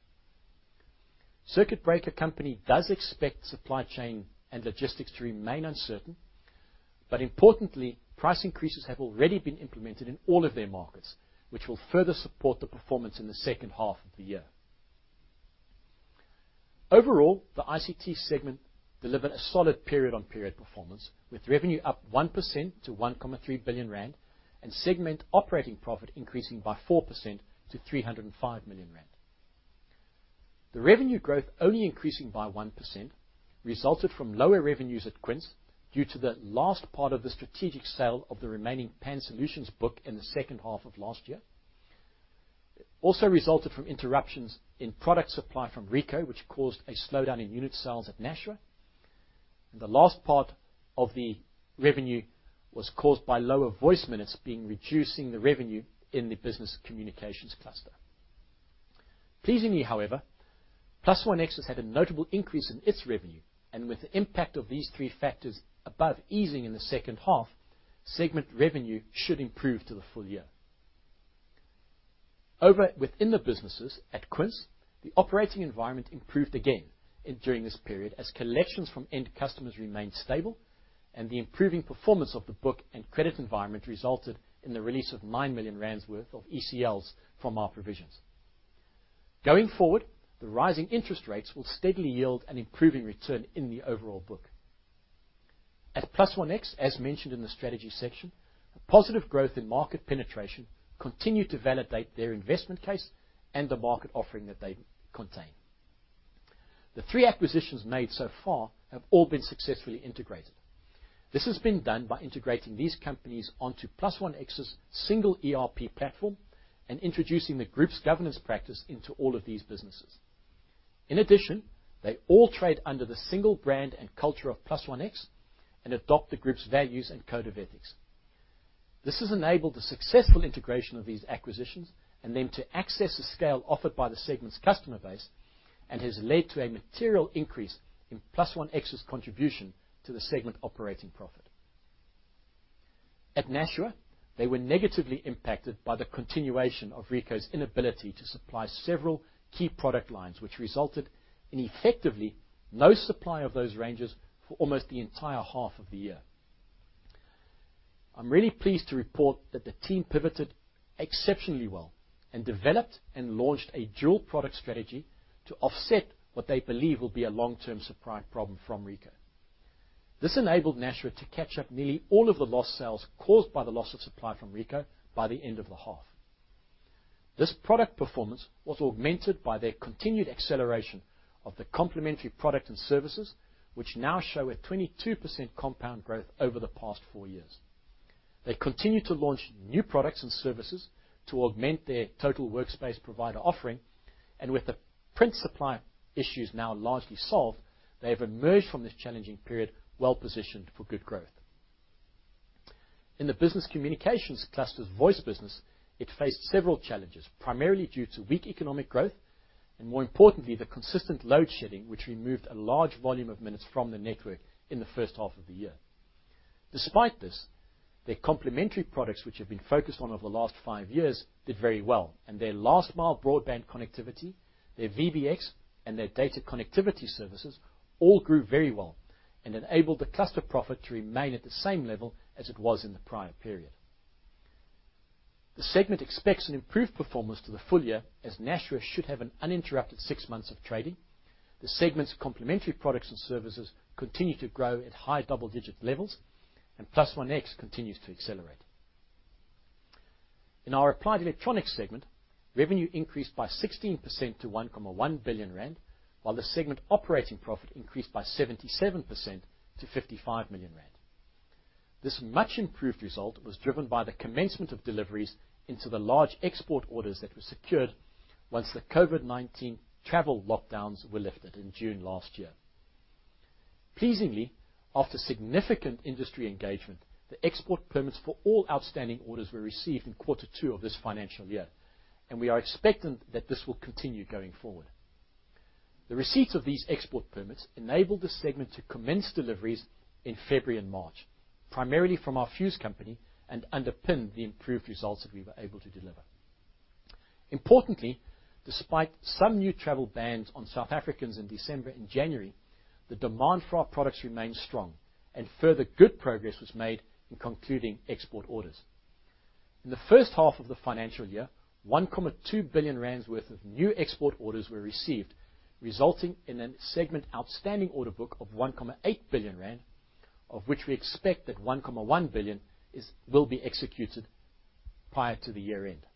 Speaker 1: Circuit breaker company does expect supply chain and logistics to remain uncertain. Importantly, price increases have already been implemented in all of their markets, which will further support the performance in the second half of the year. Overall, the ICT segment delivered a solid period-on-period performance, with revenue up 1% to 1.3 billion rand, and segment operating profit increasing by 4% to 305 million rand. The revenue growth only increasing by 1% resulted from lower revenues at Quince due to the last part of the strategic sale of the remaining PanSolutions book in the second half of last year. It also resulted from interruptions in product supply from Ricoh, which caused a slowdown in unit sales at Nashua. The last part of the revenue was caused by lower voice minutes reducing the revenue in the business communications cluster. Pleasingly, however, +OneX has had a notable increase in its revenue, and with the impact of these three factors above easing in the second half, segment revenue should improve to the full year. Within the businesses at Quince, the operating environment improved again during this period as collections from end customers remained stable and the improving performance of the book and credit environment resulted in the release of 9 million rand worth of ECLs from our provisions. Going forward, the rising interest rates will steadily yield an improving return in the overall book. At +OneX, as mentioned in the strategy section, a positive growth in market penetration continued to validate their investment case and the market offering that they contain. The three acquisitions made so far have all been successfully integrated. This has been done by integrating these companies onto +OneX's single ERP platform and introducing the group's governance practice into all of these businesses. In addition, they all trade under the single brand and culture of +OneX and adopt the group's values and code of ethics. This has enabled the successful integration of these acquisitions and them to access the scale offered by the segment's customer base and has led to a material increase in +OneX's contribution to the segment operating profit. At Nashua, they were negatively impacted by the continuation of Ricoh's inability to supply several key product lines, which resulted in effectively no supply of those ranges for almost the entire half of the year. I'm really pleased to report that the team pivoted exceptionally well and developed and launched a dual product strategy to offset what they believe will be a long-term supply problem from Ricoh. This enabled Nashua to catch up nearly all of the lost sales caused by the loss of supply from Ricoh by the end of the half. This product performance was augmented by their continued acceleration of the complementary product and services, which now show a 22% compound growth over the past four years. They continue to launch new products and services to augment their Total Workspace Provider offering, and with the print supply issues now largely solved, they have emerged from this challenging period well-positioned for good growth. In the business communications cluster's voice business, it faced several challenges, primarily due to weak economic growth, and more importantly, the consistent load shedding, which removed a large volume of minutes from the network in the first half of the year. Despite this, their complementary products, which have been focused on over the last five years, did very well, and their last-mile broadband connectivity, their VBX, and their data connectivity services all grew very well and enabled the cluster profit to remain at the same level as it was in the prior period. The segment expects an improved performance to the full year, as Nashua should have an uninterrupted six months of trading. The segment's complementary products and services continue to grow at high double-digit levels, and +OneX continues to accelerate. In our Applied Electronics segment, revenue increased by 16% to 1.1 billion rand, while the segment operating profit increased by 77% to 55 million rand. This much-improved result was driven by the commencement of deliveries into the large export orders that were secured once the COVID-19 travel lockdowns were lifted in June last year. Pleasingly, after significant industry engagement, the export permits for all outstanding orders were received in quarter two of this financial year, and we are expectant that this will continue going forward. The receipts of these export permits enabled the segment to commence deliveries in February and March, primarily from our fuse company, and underpinned the improved results that we were able to deliver. Importantly, despite some new travel bans on South Africans in December and January, the demand for our products remained strong and further good progress was made in concluding export orders. In the first half of the financial year, 1.2 billion rand worth of new export orders were received, resulting in a segment outstanding order book of 1.8 billion rand, of which we expect that 1.1 billion is, will be executed prior to the year-end.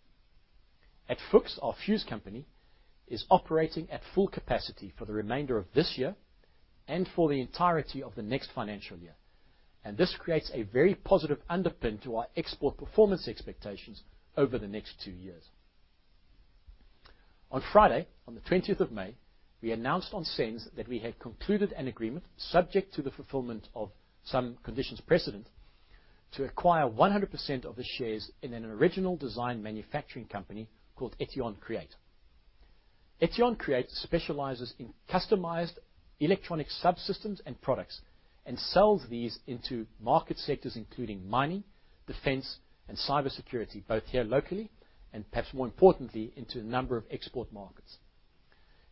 Speaker 1: At Fuchs, our fuze company is operating at full capacity for the remainder of this year and for the entirety of the next financial year. This creates a very positive underpin to our export performance expectations over the next two years. On Friday, on the twentieth of May, we announced on SENS that we had concluded an agreement subject to the fulfillment of some conditions precedent to acquire 100% of the shares in an original design manufacturer company called Etion Create. Etion Create specializes in customized electronic subsystems and products and sells these into market sectors including mining, defense, and cybersecurity, both here locally and perhaps more importantly, into a number of export markets.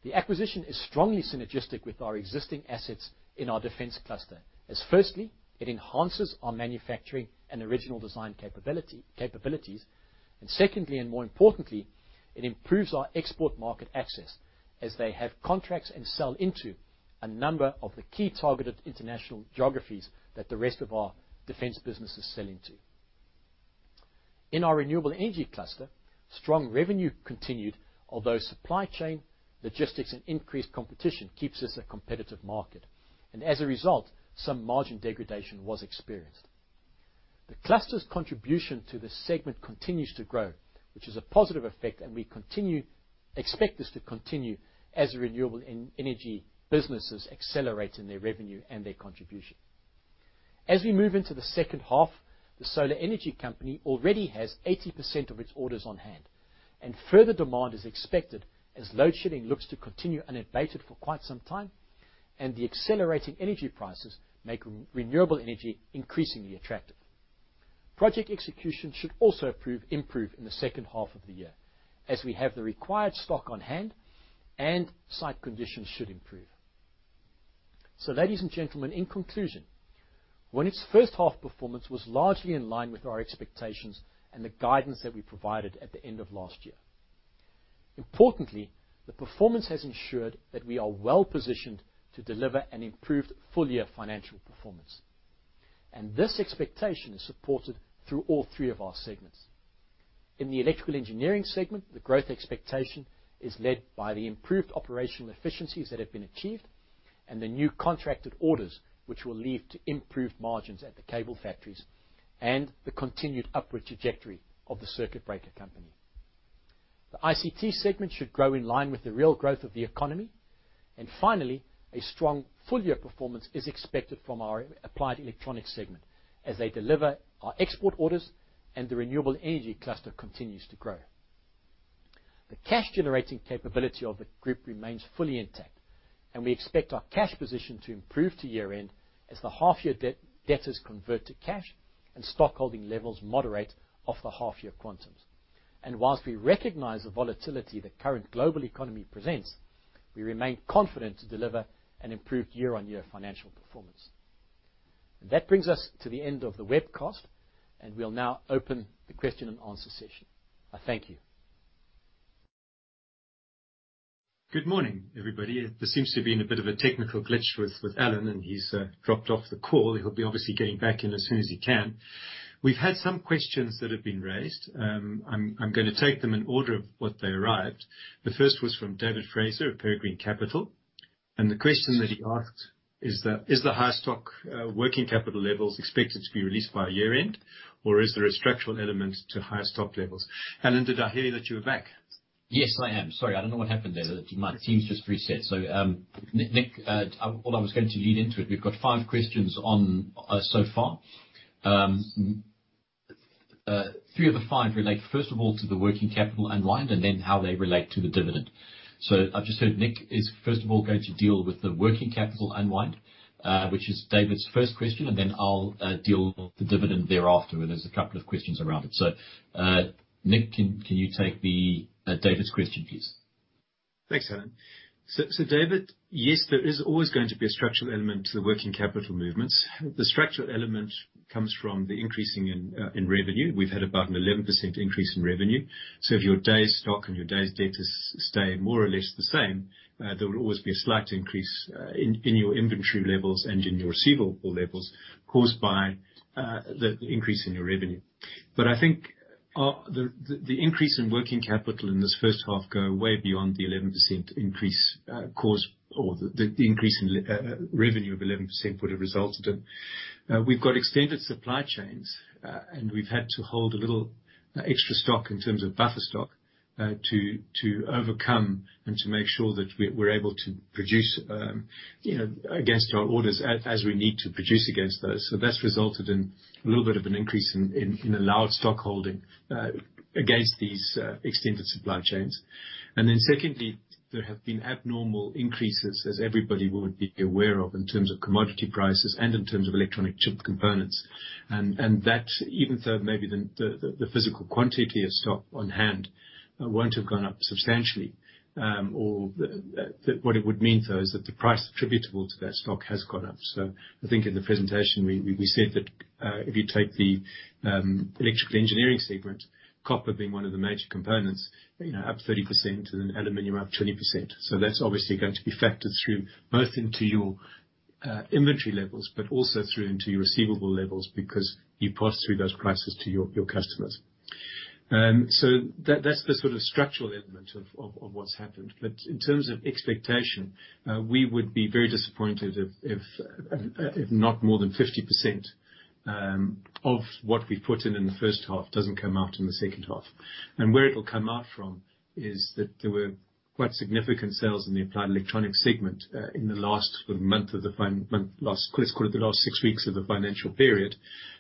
Speaker 1: The acquisition is strongly synergistic with our existing assets in our defense cluster, as firstly, it enhances our manufacturing and original design capability. Secondly, and more importantly, it improves our export market access as they have contracts and sell into a number of the key targeted international geographies that the rest of our defense businesses sell into. In our renewable energy cluster, strong revenue continued, although supply chain logistics and increased competition keeps us a competitive market. As a result, some margin degradation was experienced. The cluster's contribution to the segment continues to grow, which is a positive effect, and we continue to expect this to continue as the renewable energy businesses accelerate in their revenue and their contribution. As we move into the second half, the solar energy company already has 80% of its orders on hand, and further demand is expected as load shedding looks to continue unabated for quite some time, and the accelerating energy prices make renewable energy increasingly attractive. Project execution should also improve in the second half of the year as we have the required stock on hand and site conditions should improve. Ladies and gentlemen, in conclusion, the first half performance was largely in line with our expectations and the guidance that we provided at the end of last year. Importantly, the performance has ensured that we are well-positioned to deliver an improved full-year financial performance. This expectation is supported through all three of our segments. In the Electrical Engineering segment, the growth expectation is led by the improved operational efficiencies that have been achieved and the new contracted orders, which will lead to improved margins at the cable factories and the continued upward trajectory of the circuit breaker company. The ICT segment should grow in line with the real growth of the economy. Finally, a strong full-year performance is expected from our Applied Electronics segment as they deliver our export orders and the renewable energy cluster continues to grow. The cash generating capability of the group remains fully intact, and we expect our cash position to improve to year-end as the half-year debt, debtors convert to cash and stockholding levels moderate off the half-year quantums. Whilst we recognize the volatility the current global economy presents, we remain confident to deliver an improved year-on-year financial performance. That brings us to the end of the webcast, and we'll now open the question and answer session. I thank you.
Speaker 2: Good morning, everybody. There seems to be a bit of a technical glitch with Alan, and he's dropped off the call. He'll be obviously getting back in as soon as he can. We've had some questions that have been raised. I'm gonna take them in order of what they arrived. The first was from David Fraser of Peregrine Capital. The question that he asked is, "Is the high stock working capital levels expected to be released by year-end, or is there a structural element to higher stock levels?" Alan, did I hear you that you were back?
Speaker 1: Yes, I am. Sorry, I don't know what happened there. My team's just reset. Nick, what I was going to lead into it, we've got five questions on so far. Three of the five relate, first of all, to the working capital unwind and then how they relate to the dividend. I've just heard Nick is, first of all, going to deal with the working capital unwind, which is David's first question, and then I'll deal with the dividend thereafter. There's a couple of questions around it. Nick, can you take David's question, please?
Speaker 2: Thanks, Alan. David, yes, there is always going to be a structural element to the working capital movements. The structural element comes from the increase in revenue. We've had about an 11% increase in revenue. If your days stock and your days debtors stay more or less the same, there will always be a slight increase in your inventory levels and in your receivable levels caused by the increase in your revenue. I think the increase in working capital in this first half goes way beyond the 11% increase because the 11% increase in revenue would have resulted in. We've got extended supply chains, and we've had to hold a little extra stock in terms of buffer stock, to overcome and to make sure that we're able to produce, you know, against our orders as we need to produce against those. That's resulted in a little bit of an increase in allowed stockholding against these extended supply chains. Secondly, there have been abnormal increases, as everybody would be aware of, in terms of commodity prices and in terms of electronic chip components, that even though maybe the physical quantity of stock on hand won't have gone up substantially, what it would mean, though, is that the price attributable to that stock has gone up. I think in the presentation we said that, if you take the Electrical Engineering segment, copper being one of the major components, you know, up 30% and then aluminum up 20%. That's obviously going to be factored through both into your inventory levels, but also through into your receivable levels because you pass through those prices to your customers. That's the sort of structural element of what's happened. In terms of expectation, we would be very disappointed if not more than 50% of what we put in in the first half doesn't come out in the second half. Where it will come out from is that there were quite significant sales in the Applied Electronics segment, in the last month of the - month last... Let's call it the last six weeks of the financial period,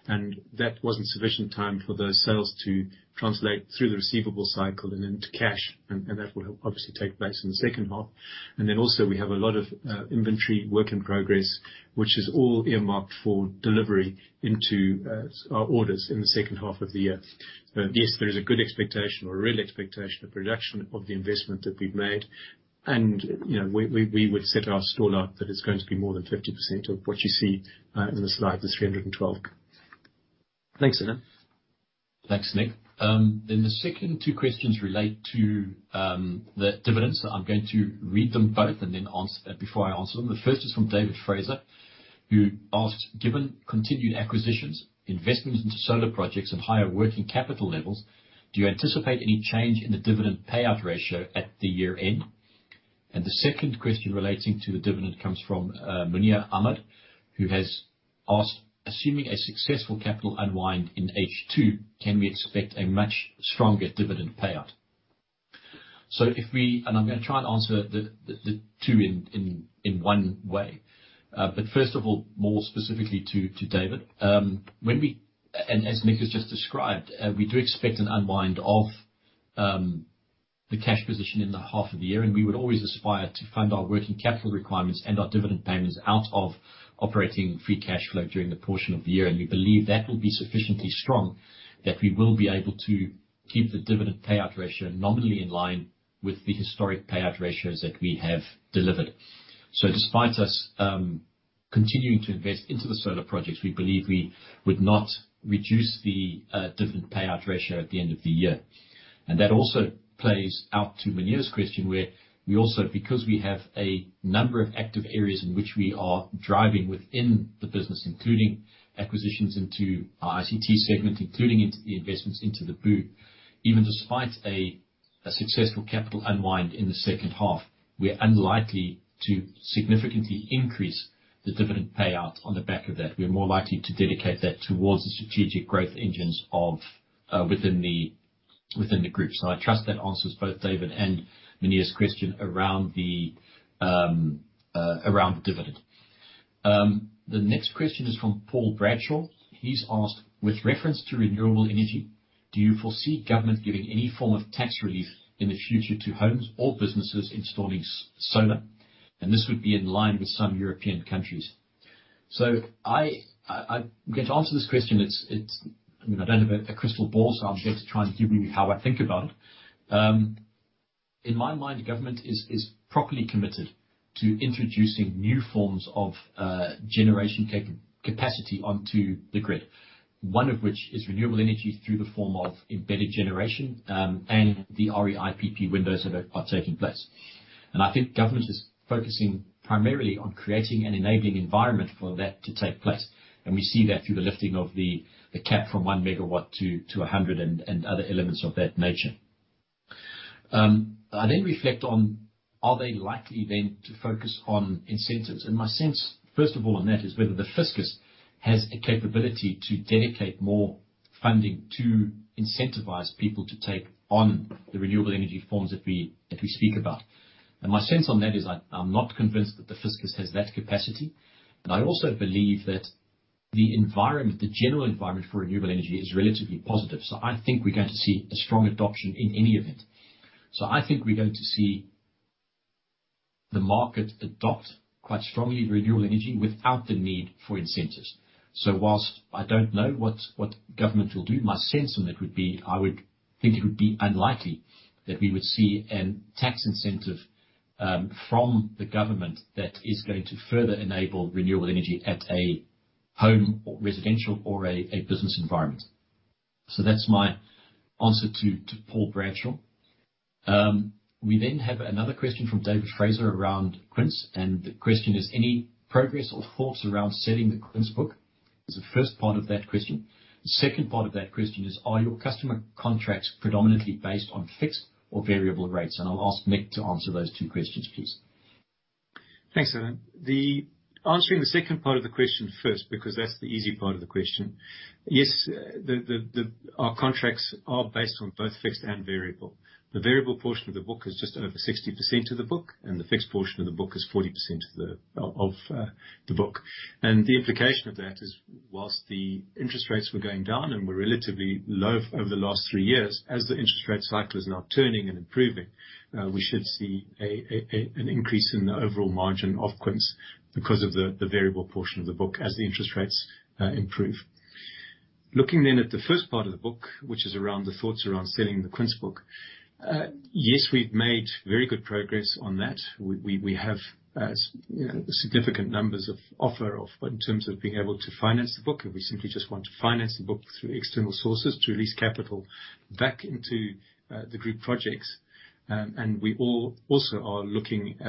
Speaker 2: and that wasn't sufficient time for those sales to translate through the receivable cycle and into cash, and that will obviously take place in the second half. Then also, we have a lot of inventory work in progress, which is all earmarked for delivery into our orders in the second half of the year. Yes, there is a good expectation or a real expectation of reduction of the investment that we've made. You know, we would set our stall up that it's going to be more than 50% of what you see in the slide, this 312. Thanks, Alan.
Speaker 1: Thanks, Nick. The second two questions relate to the dividends. I'm going to read them both before I answer them. The first is from David Fraser, who asks, "Given continued acquisitions, investments into solar projects and higher working capital levels, do you anticipate any change in the dividend payout ratio at the year-end?" The second question relating to the dividend comes from Muneer Ahmed, who has asked, "Assuming a successful capital unwind in H2, can we expect a much stronger dividend payout?" I'm gonna try and answer the two in one way. First of all, more specifically to David, when we and as Nick has just described, we do expect an unwind of the cash position in the half of the year, and we would always aspire to fund our working capital requirements and our dividend payments out of operating free cash flow during the portion of the year. We believe that will be sufficiently strong that we will be able to keep the dividend payout ratio nominally in line with the historic payout ratios that we have delivered. Despite us continuing to invest into the solar projects, we believe we would not reduce the dividend payout ratio at the end of the year. That also plays out to Muneer's question, where we also, because we have a number of active areas in which we are driving within the business, including acquisitions into our ICT segment, including into the investments into the BEE, even despite a successful capital unwind in the second half, we are unlikely to significantly increase the dividend payout on the back of that. We are more likely to dedicate that towards the strategic growth engines of within the group. I trust that answers both David and Muneer's question around the dividend. The next question is from Paul Bradshaw. He's asked, "With reference to renewable energy, do you foresee government giving any form of tax relief in the future to homes or businesses installing solar? This would be in line with some European countries. I'm going to answer this question. It's, I mean, I don't have a crystal ball, so I'm just going to try and give you how I think about it. In my mind, the government is properly committed to introducing new forms of generation capacity onto the grid, one of which is renewable energy through the form of embedded generation, and the REIPPPP windows that are taking place. I think government is focusing primarily on creating an enabling environment for that to take place. We see that through the lifting of the cap from 1 MW to 100 MW and other elements of that nature. I then reflect on are they likely then to focus on incentives. My sense, first of all, on that is whether the fiscus has a capability to dedicate more funding to incentivize people to take on the renewable energy forms that we speak about. My sense on that is I'm not convinced that the fiscus has that capacity, and I also believe that the environment, the general environment for renewable energy is relatively positive. I think we're going to see a strong adoption in any event. I think we're going to see the market adopt quite strongly renewable energy without the need for incentives. Whilst I don't know what government will do, my sense on that would be, I would think it would be unlikely that we would see a tax incentive from the government that is going to further enable renewable energy at a home or residential or a business environment. That's my answer to Paul Bradshaw. We then have another question from David Fraser around Quince, and the question is, "Any progress or thoughts around selling the Quince book?" Is the first part of that question. The second part of that question is, "Are your customer contracts predominantly based on fixed or variable rates?" I'll ask Nick to answer those two questions, please.
Speaker 2: Thanks, Alan. Answering the second part of the question first, because that's the easy part of the question. Yes, the our contracts are based on both fixed and variable. The variable portion of the book is just over 60% of the book, and the fixed portion of the book is 40% of the book. The implication of that is, whilst the interest rates were going down and were relatively low over the last three years, as the interest rate cycle is now turning and improving, we should see an increase in the overall margin of Quince because of the variable portion of the book as the interest rates improve. Looking then at the first part of the book, which is around the thoughts around selling the Quince book. Yes, we've made very good progress on that. We have you know significant numbers of offers in terms of being able to finance the book, and we simply just want to finance the book through external sources to release capital back into the group projects. We also are looking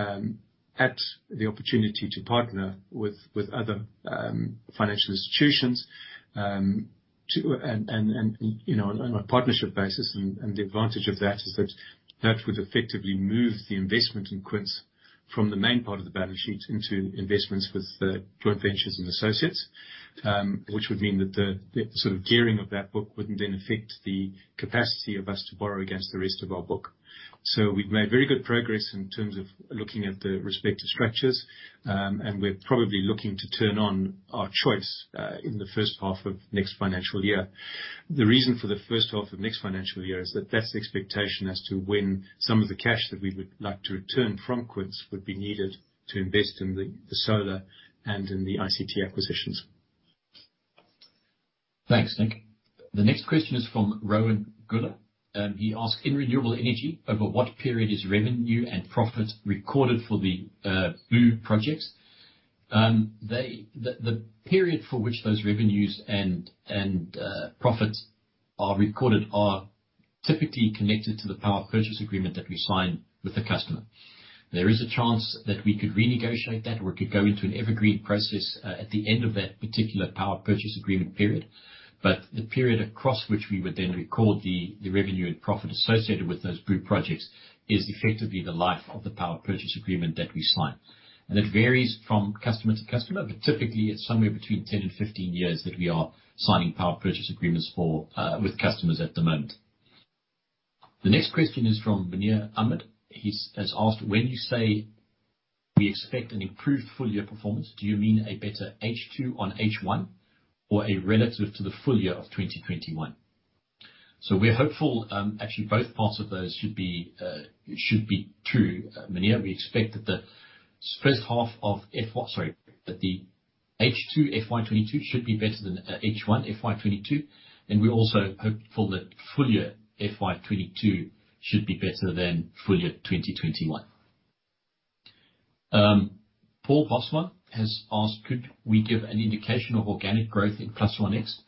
Speaker 2: at the opportunity to partner with other financial institutions and you know on a partnership basis, and the advantage of that is that that would effectively move the investment in Quince from the main part of the balance sheet into investments with joint ventures and associates, which would mean that the sort of gearing of that book wouldn't then affect the capacity of us to borrow against the rest of our book. We've made very good progress in terms of looking at the respective structures, and we're probably looking to turn on our choice in the first half of next financial year. The reason for the first half of next financial year is that that's the expectation as to when some of the cash that we would like to return from Quince would be needed to invest in the solar and in the ICT acquisitions.
Speaker 1: Thanks, Nick. The next question is from Rowan Gilmer. He asked, "In renewable energy, over what period is revenue and profit recorded for the group projects?" The period for which those revenues and profits are recorded typically connected to the power purchase agreement that we sign with the customer. There is a chance that we could renegotiate that, or we could go into an evergreen process at the end of that particular power purchase agreement period. The period across which we would then record the revenue and profit associated with those group projects is effectively the life of the power purchase agreement that we sign. It varies from customer to customer, but typically it's somewhere between 10 and 15 years that we are signing power purchase agreements for with customers at the moment. The next question is from Muneer Ahmed. He has asked, "When you say we expect an improved full-year performance, do you mean a better H2 than H1, or relative to the full year of 2021?" We're hopeful, actually both parts of those should be true, Muneer. We expect that the H2 FY 2022 should be better than H1 FY 2022, and we're also hopeful that full year FY 2022 should be better than full year 2021. Paul Hosmer has asked, "Could we give an indication of organic growth in +OneX?"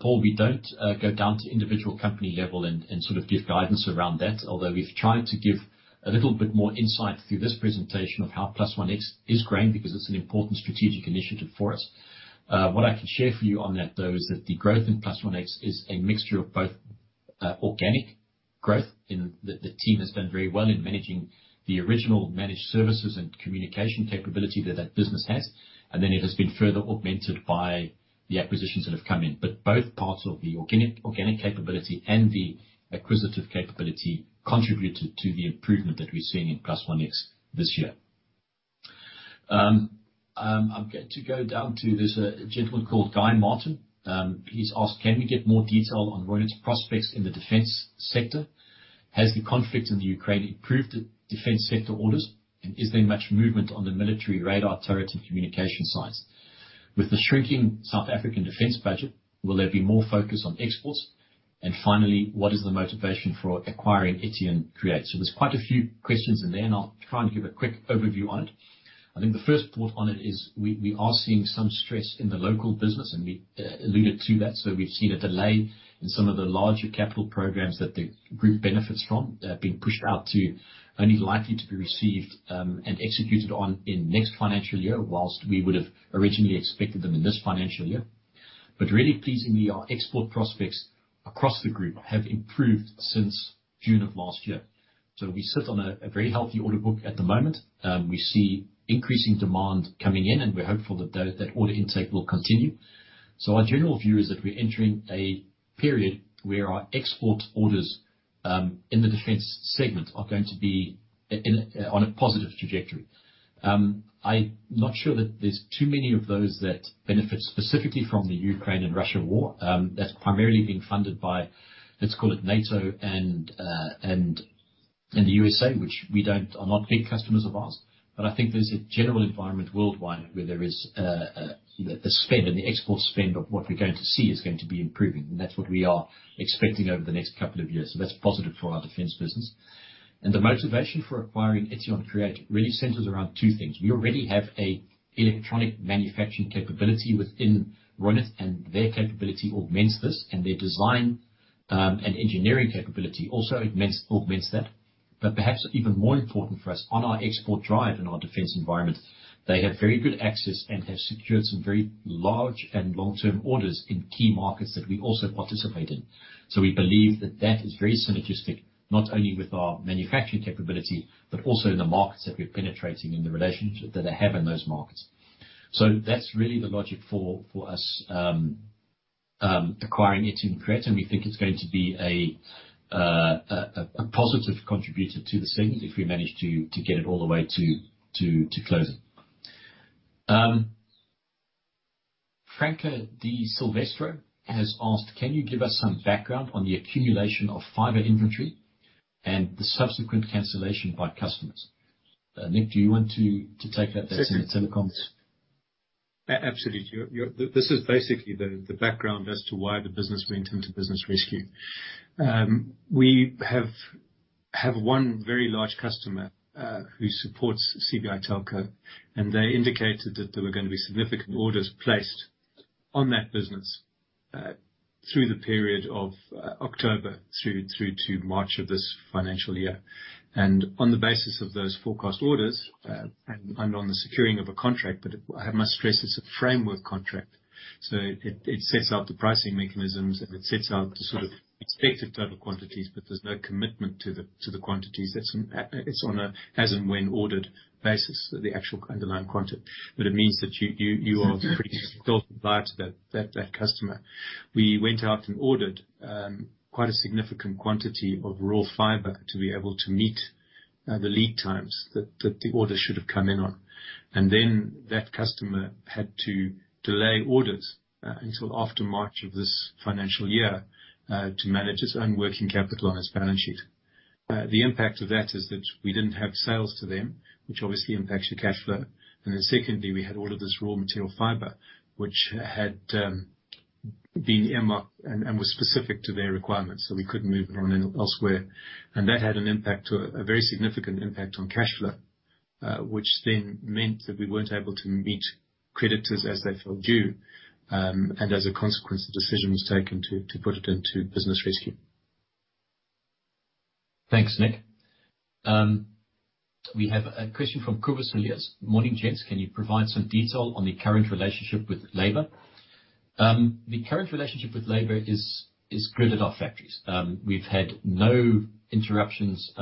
Speaker 1: Paul, we don't go down to individual company level and sort of give guidance around that. Although we've tried to give a little bit more insight through this presentation of how +OneX is growing because it's an important strategic initiative for us. What I can share for you on that, though, is that the growth in +OneX is a mixture of both organic growth. The team has done very well in managing the original managed services and communication capability that that business has, and then it has been further augmented by the acquisitions that have come in. Both parts of the organic capability and the acquisitive capability contributed to the improvement that we're seeing in +OneX this year. I'm going to go down to this gentleman called Guy Martin. He's asked, "Can we get more detail on Reunert's prospects in the defense sector? Has the conflict in the Ukraine improved defense sector orders, and is there much movement on the military radar turret and communication sites? With the shrinking South African defense budget, will there be more focus on exports? And finally, what is the motivation for acquiring Etion Create? There's quite a few questions in there, and I'll try and give a quick overview on it. I think the first thought on it is we are seeing some stress in the local business, and we alluded to that. We've seen a delay in some of the larger capital programs that the group benefits from, being pushed out to only likely to be received, and executed on in next financial year, while we would have originally expected them in this financial year. Really pleasingly, our export prospects across the group have improved since June of last year. We sit on a very healthy order book at the moment. We see increasing demand coming in, and we're hopeful that that order intake will continue. Our general view is that we're entering a period where our export orders in the defense segment are going to be on a positive trajectory. I'm not sure that there's too many of those that benefit specifically from the Ukraine and Russia war. That's primarily being funded by, let's call it NATO and the USA, which are not big customers of ours. I think there's a general environment worldwide where there is the spend and the export spend of what we're going to see is going to be improving. That's what we are expecting over the next couple of years. That's positive for our defense business. The motivation for acquiring Etion Create really centers around two things. We already have an electronic manufacturing capability within Reunert, and their capability augments this, and their design and engineering capability also augments that. Perhaps even more important for us on our export drive in our defense environment, they have very good access and have secured some very large and long-term orders in key markets that we also participate in. We believe that that is very synergistic, not only with our manufacturing capability, but also in the markets that we're penetrating and the relationship that they have in those markets. That's really the logic for us acquiring Etion Create, and we think it's going to be a positive contributor to the segment if we manage to get it all the way to closing. Franco de Silvestro has asked, "Can you give us some background on the accumulation of fiber inventory and the subsequent cancellation by customers?" Nick, do you want to take that? That's in telecoms.
Speaker 2: Absolutely. This is basically the background as to why the business went into business rescue. We have one very large customer who supports CBi Telecom, and they indicated that there were gonna be significant orders placed on that business through the period of October through to March of this financial year. On the basis of those forecast orders and on the securing of a contract, but I must stress it's a framework contract, so it sets out the pricing mechanisms, and it sets out the sort of expected type of quantities, but there's no commitment to the quantities. It's on an as and when ordered basis, the actual underlying quantity. It means that you are pretty still tied to that customer. We went out and ordered quite a significant quantity of raw fiber to be able to meet the lead times that the order should have come in on. That customer had to delay orders until after March of this financial year to manage its own working capital on its balance sheet. The impact of that is that we didn't have sales to them, which obviously impacts your cash flow. Secondly, we had all of this raw material fiber, which had been earmarked and was specific to their requirements. We couldn't move it on anywhere else. That had an impact, a very significant impact on cash flow, which then meant that we weren't able to meet creditors as they fell due. As a consequence, the decision was taken to put it into business rescue.
Speaker 1: Thanks, Nick. We have a question from Kobus Elias: "Morning, gents. Can you provide some detail on the current relationship with labor?" The current relationship with labor is good at our factories. We've had no interruptions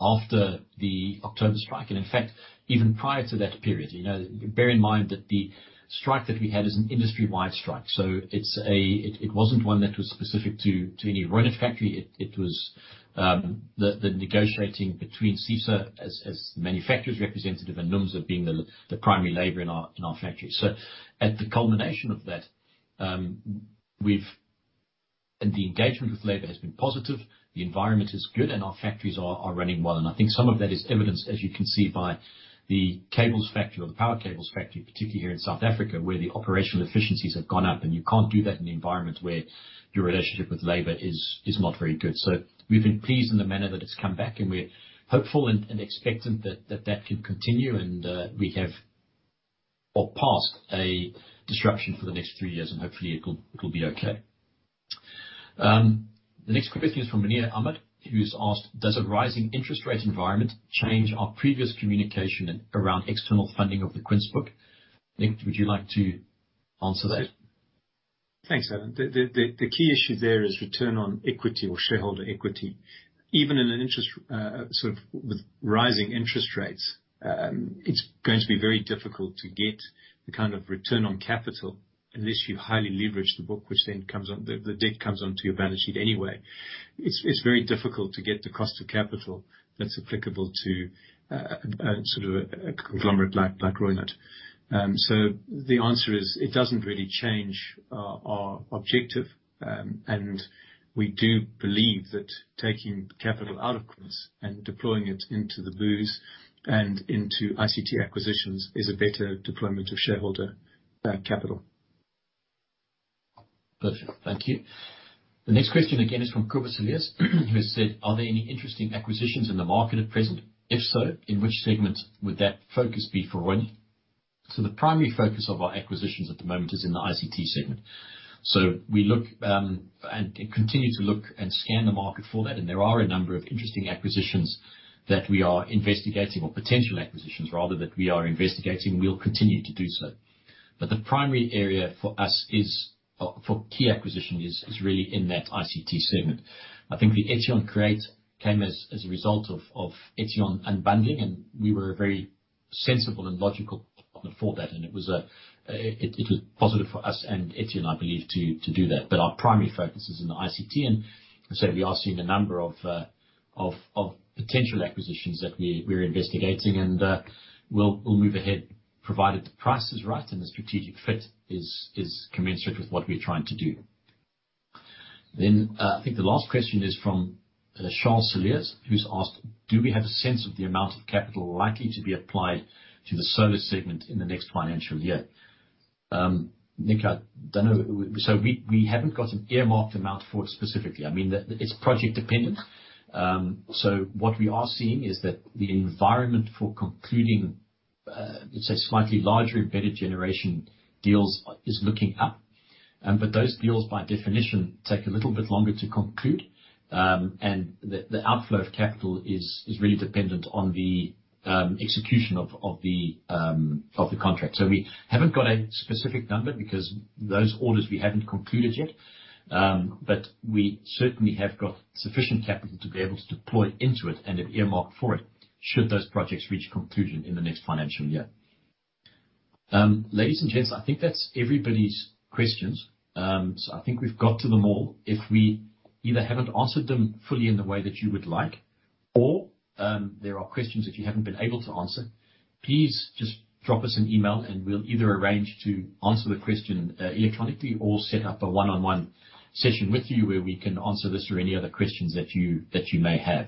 Speaker 1: after the October strike. In fact, even prior to that period, you know. Bear in mind that the strike that we had is an industry-wide strike, so it wasn't one that was specific to any Reunert factory. It was the negotiating between SEIFSA as manufacturers' representative and NUMSA as being the primary labor in our factories. At the culmination of that, the engagement with labor has been positive, the environment is good, and our factories are running well. I think some of that is evidenced, as you can see, by the cables factory or the power cables factory, particularly here in South Africa, where the operational efficiencies have gone up. You can't do that in an environment where your relationship with labor is not very good. We've been pleased in the manner that it's come back, and we're hopeful and expectant that can continue and we have passed a disruption for the next three years and hopefully it'll be okay. The next question is from Rania Ahmed, who's asked, "Does a rising interest rate environment change our previous communication around external funding of the Quince book?" Nick, would you like to answer that?
Speaker 2: Thanks, Alan. The key issue there is return on equity or shareholder equity. Even in an interest rate sort of environment with rising interest rates, it's going to be very difficult to get the kind of return on capital unless you highly leverage the book, which then comes onto your balance sheet anyway. The debt comes onto your balance sheet anyway. It's very difficult to get the cost of capital that's applicable to a sort of a conglomerate like Reunert. The answer is it doesn't really change our objective. We do believe that taking capital out of Quince and deploying it into the BOOs and into ICT acquisitions is a better deployment of shareholder capital.
Speaker 1: Perfect. Thank you. The next question again is from Kobus Elias, who said, "Are there any interesting acquisitions in the market at present? If so, in which segments would that focus be for Reunert?" The primary focus of our acquisitions at the moment is in the ICT segment. We look and continue to look and scan the market for that, and there are a number of interesting acquisitions that we are investigating, or potential acquisitions, rather, that we are investigating. We'll continue to do so. The primary area for us is for key acquisition is really in that ICT segment. I think the Etion Create came as a result of Etion unbundling, and we were a very sensible and logical partner for that. It was positive for us and Etion, I believe, to do that. Our primary focus is in the ICT, and so we are seeing a number of potential acquisitions that we're investigating. We'll move ahead, provided the price is right and the strategic fit is commensurate with what we're trying to do. I think the last question is from Charles Elias, who's asked, "Do we have a sense of the amount of capital likely to be applied to the solar segment in the next financial year?" Nick, I don't know. We haven't got an earmarked amount for it specifically. I mean, it's project dependent. What we are seeing is that the environment for concluding let's say slightly larger, better generation deals is looking up. Those deals, by definition, take a little bit longer to conclude. The outflow of capital is really dependent on the execution of the contract. We haven't got a specific number because those orders we haven't concluded yet. We certainly have got sufficient capital to be able to deploy into it and have earmarked for it should those projects reach conclusion in the next financial year. Ladies and gents, I think that's everybody's questions. I think we've got to them all. If we either haven't answered them fully in the way that you would like, or there are questions that we haven't been able to answer, please just drop us an email and we'll either arrange to answer the question electronically or set up a one-on-one session with you where we can answer this or any other questions that you may have.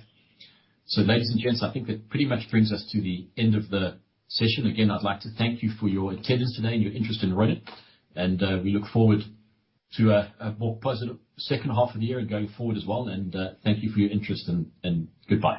Speaker 1: Ladies and gents, I think that pretty much brings us to the end of the session. Again, I'd like to thank you for your attendance today and your interest in Reunert. We look forward to a more positive second half of the year and going forward as well. Thank you for your interest and goodbye.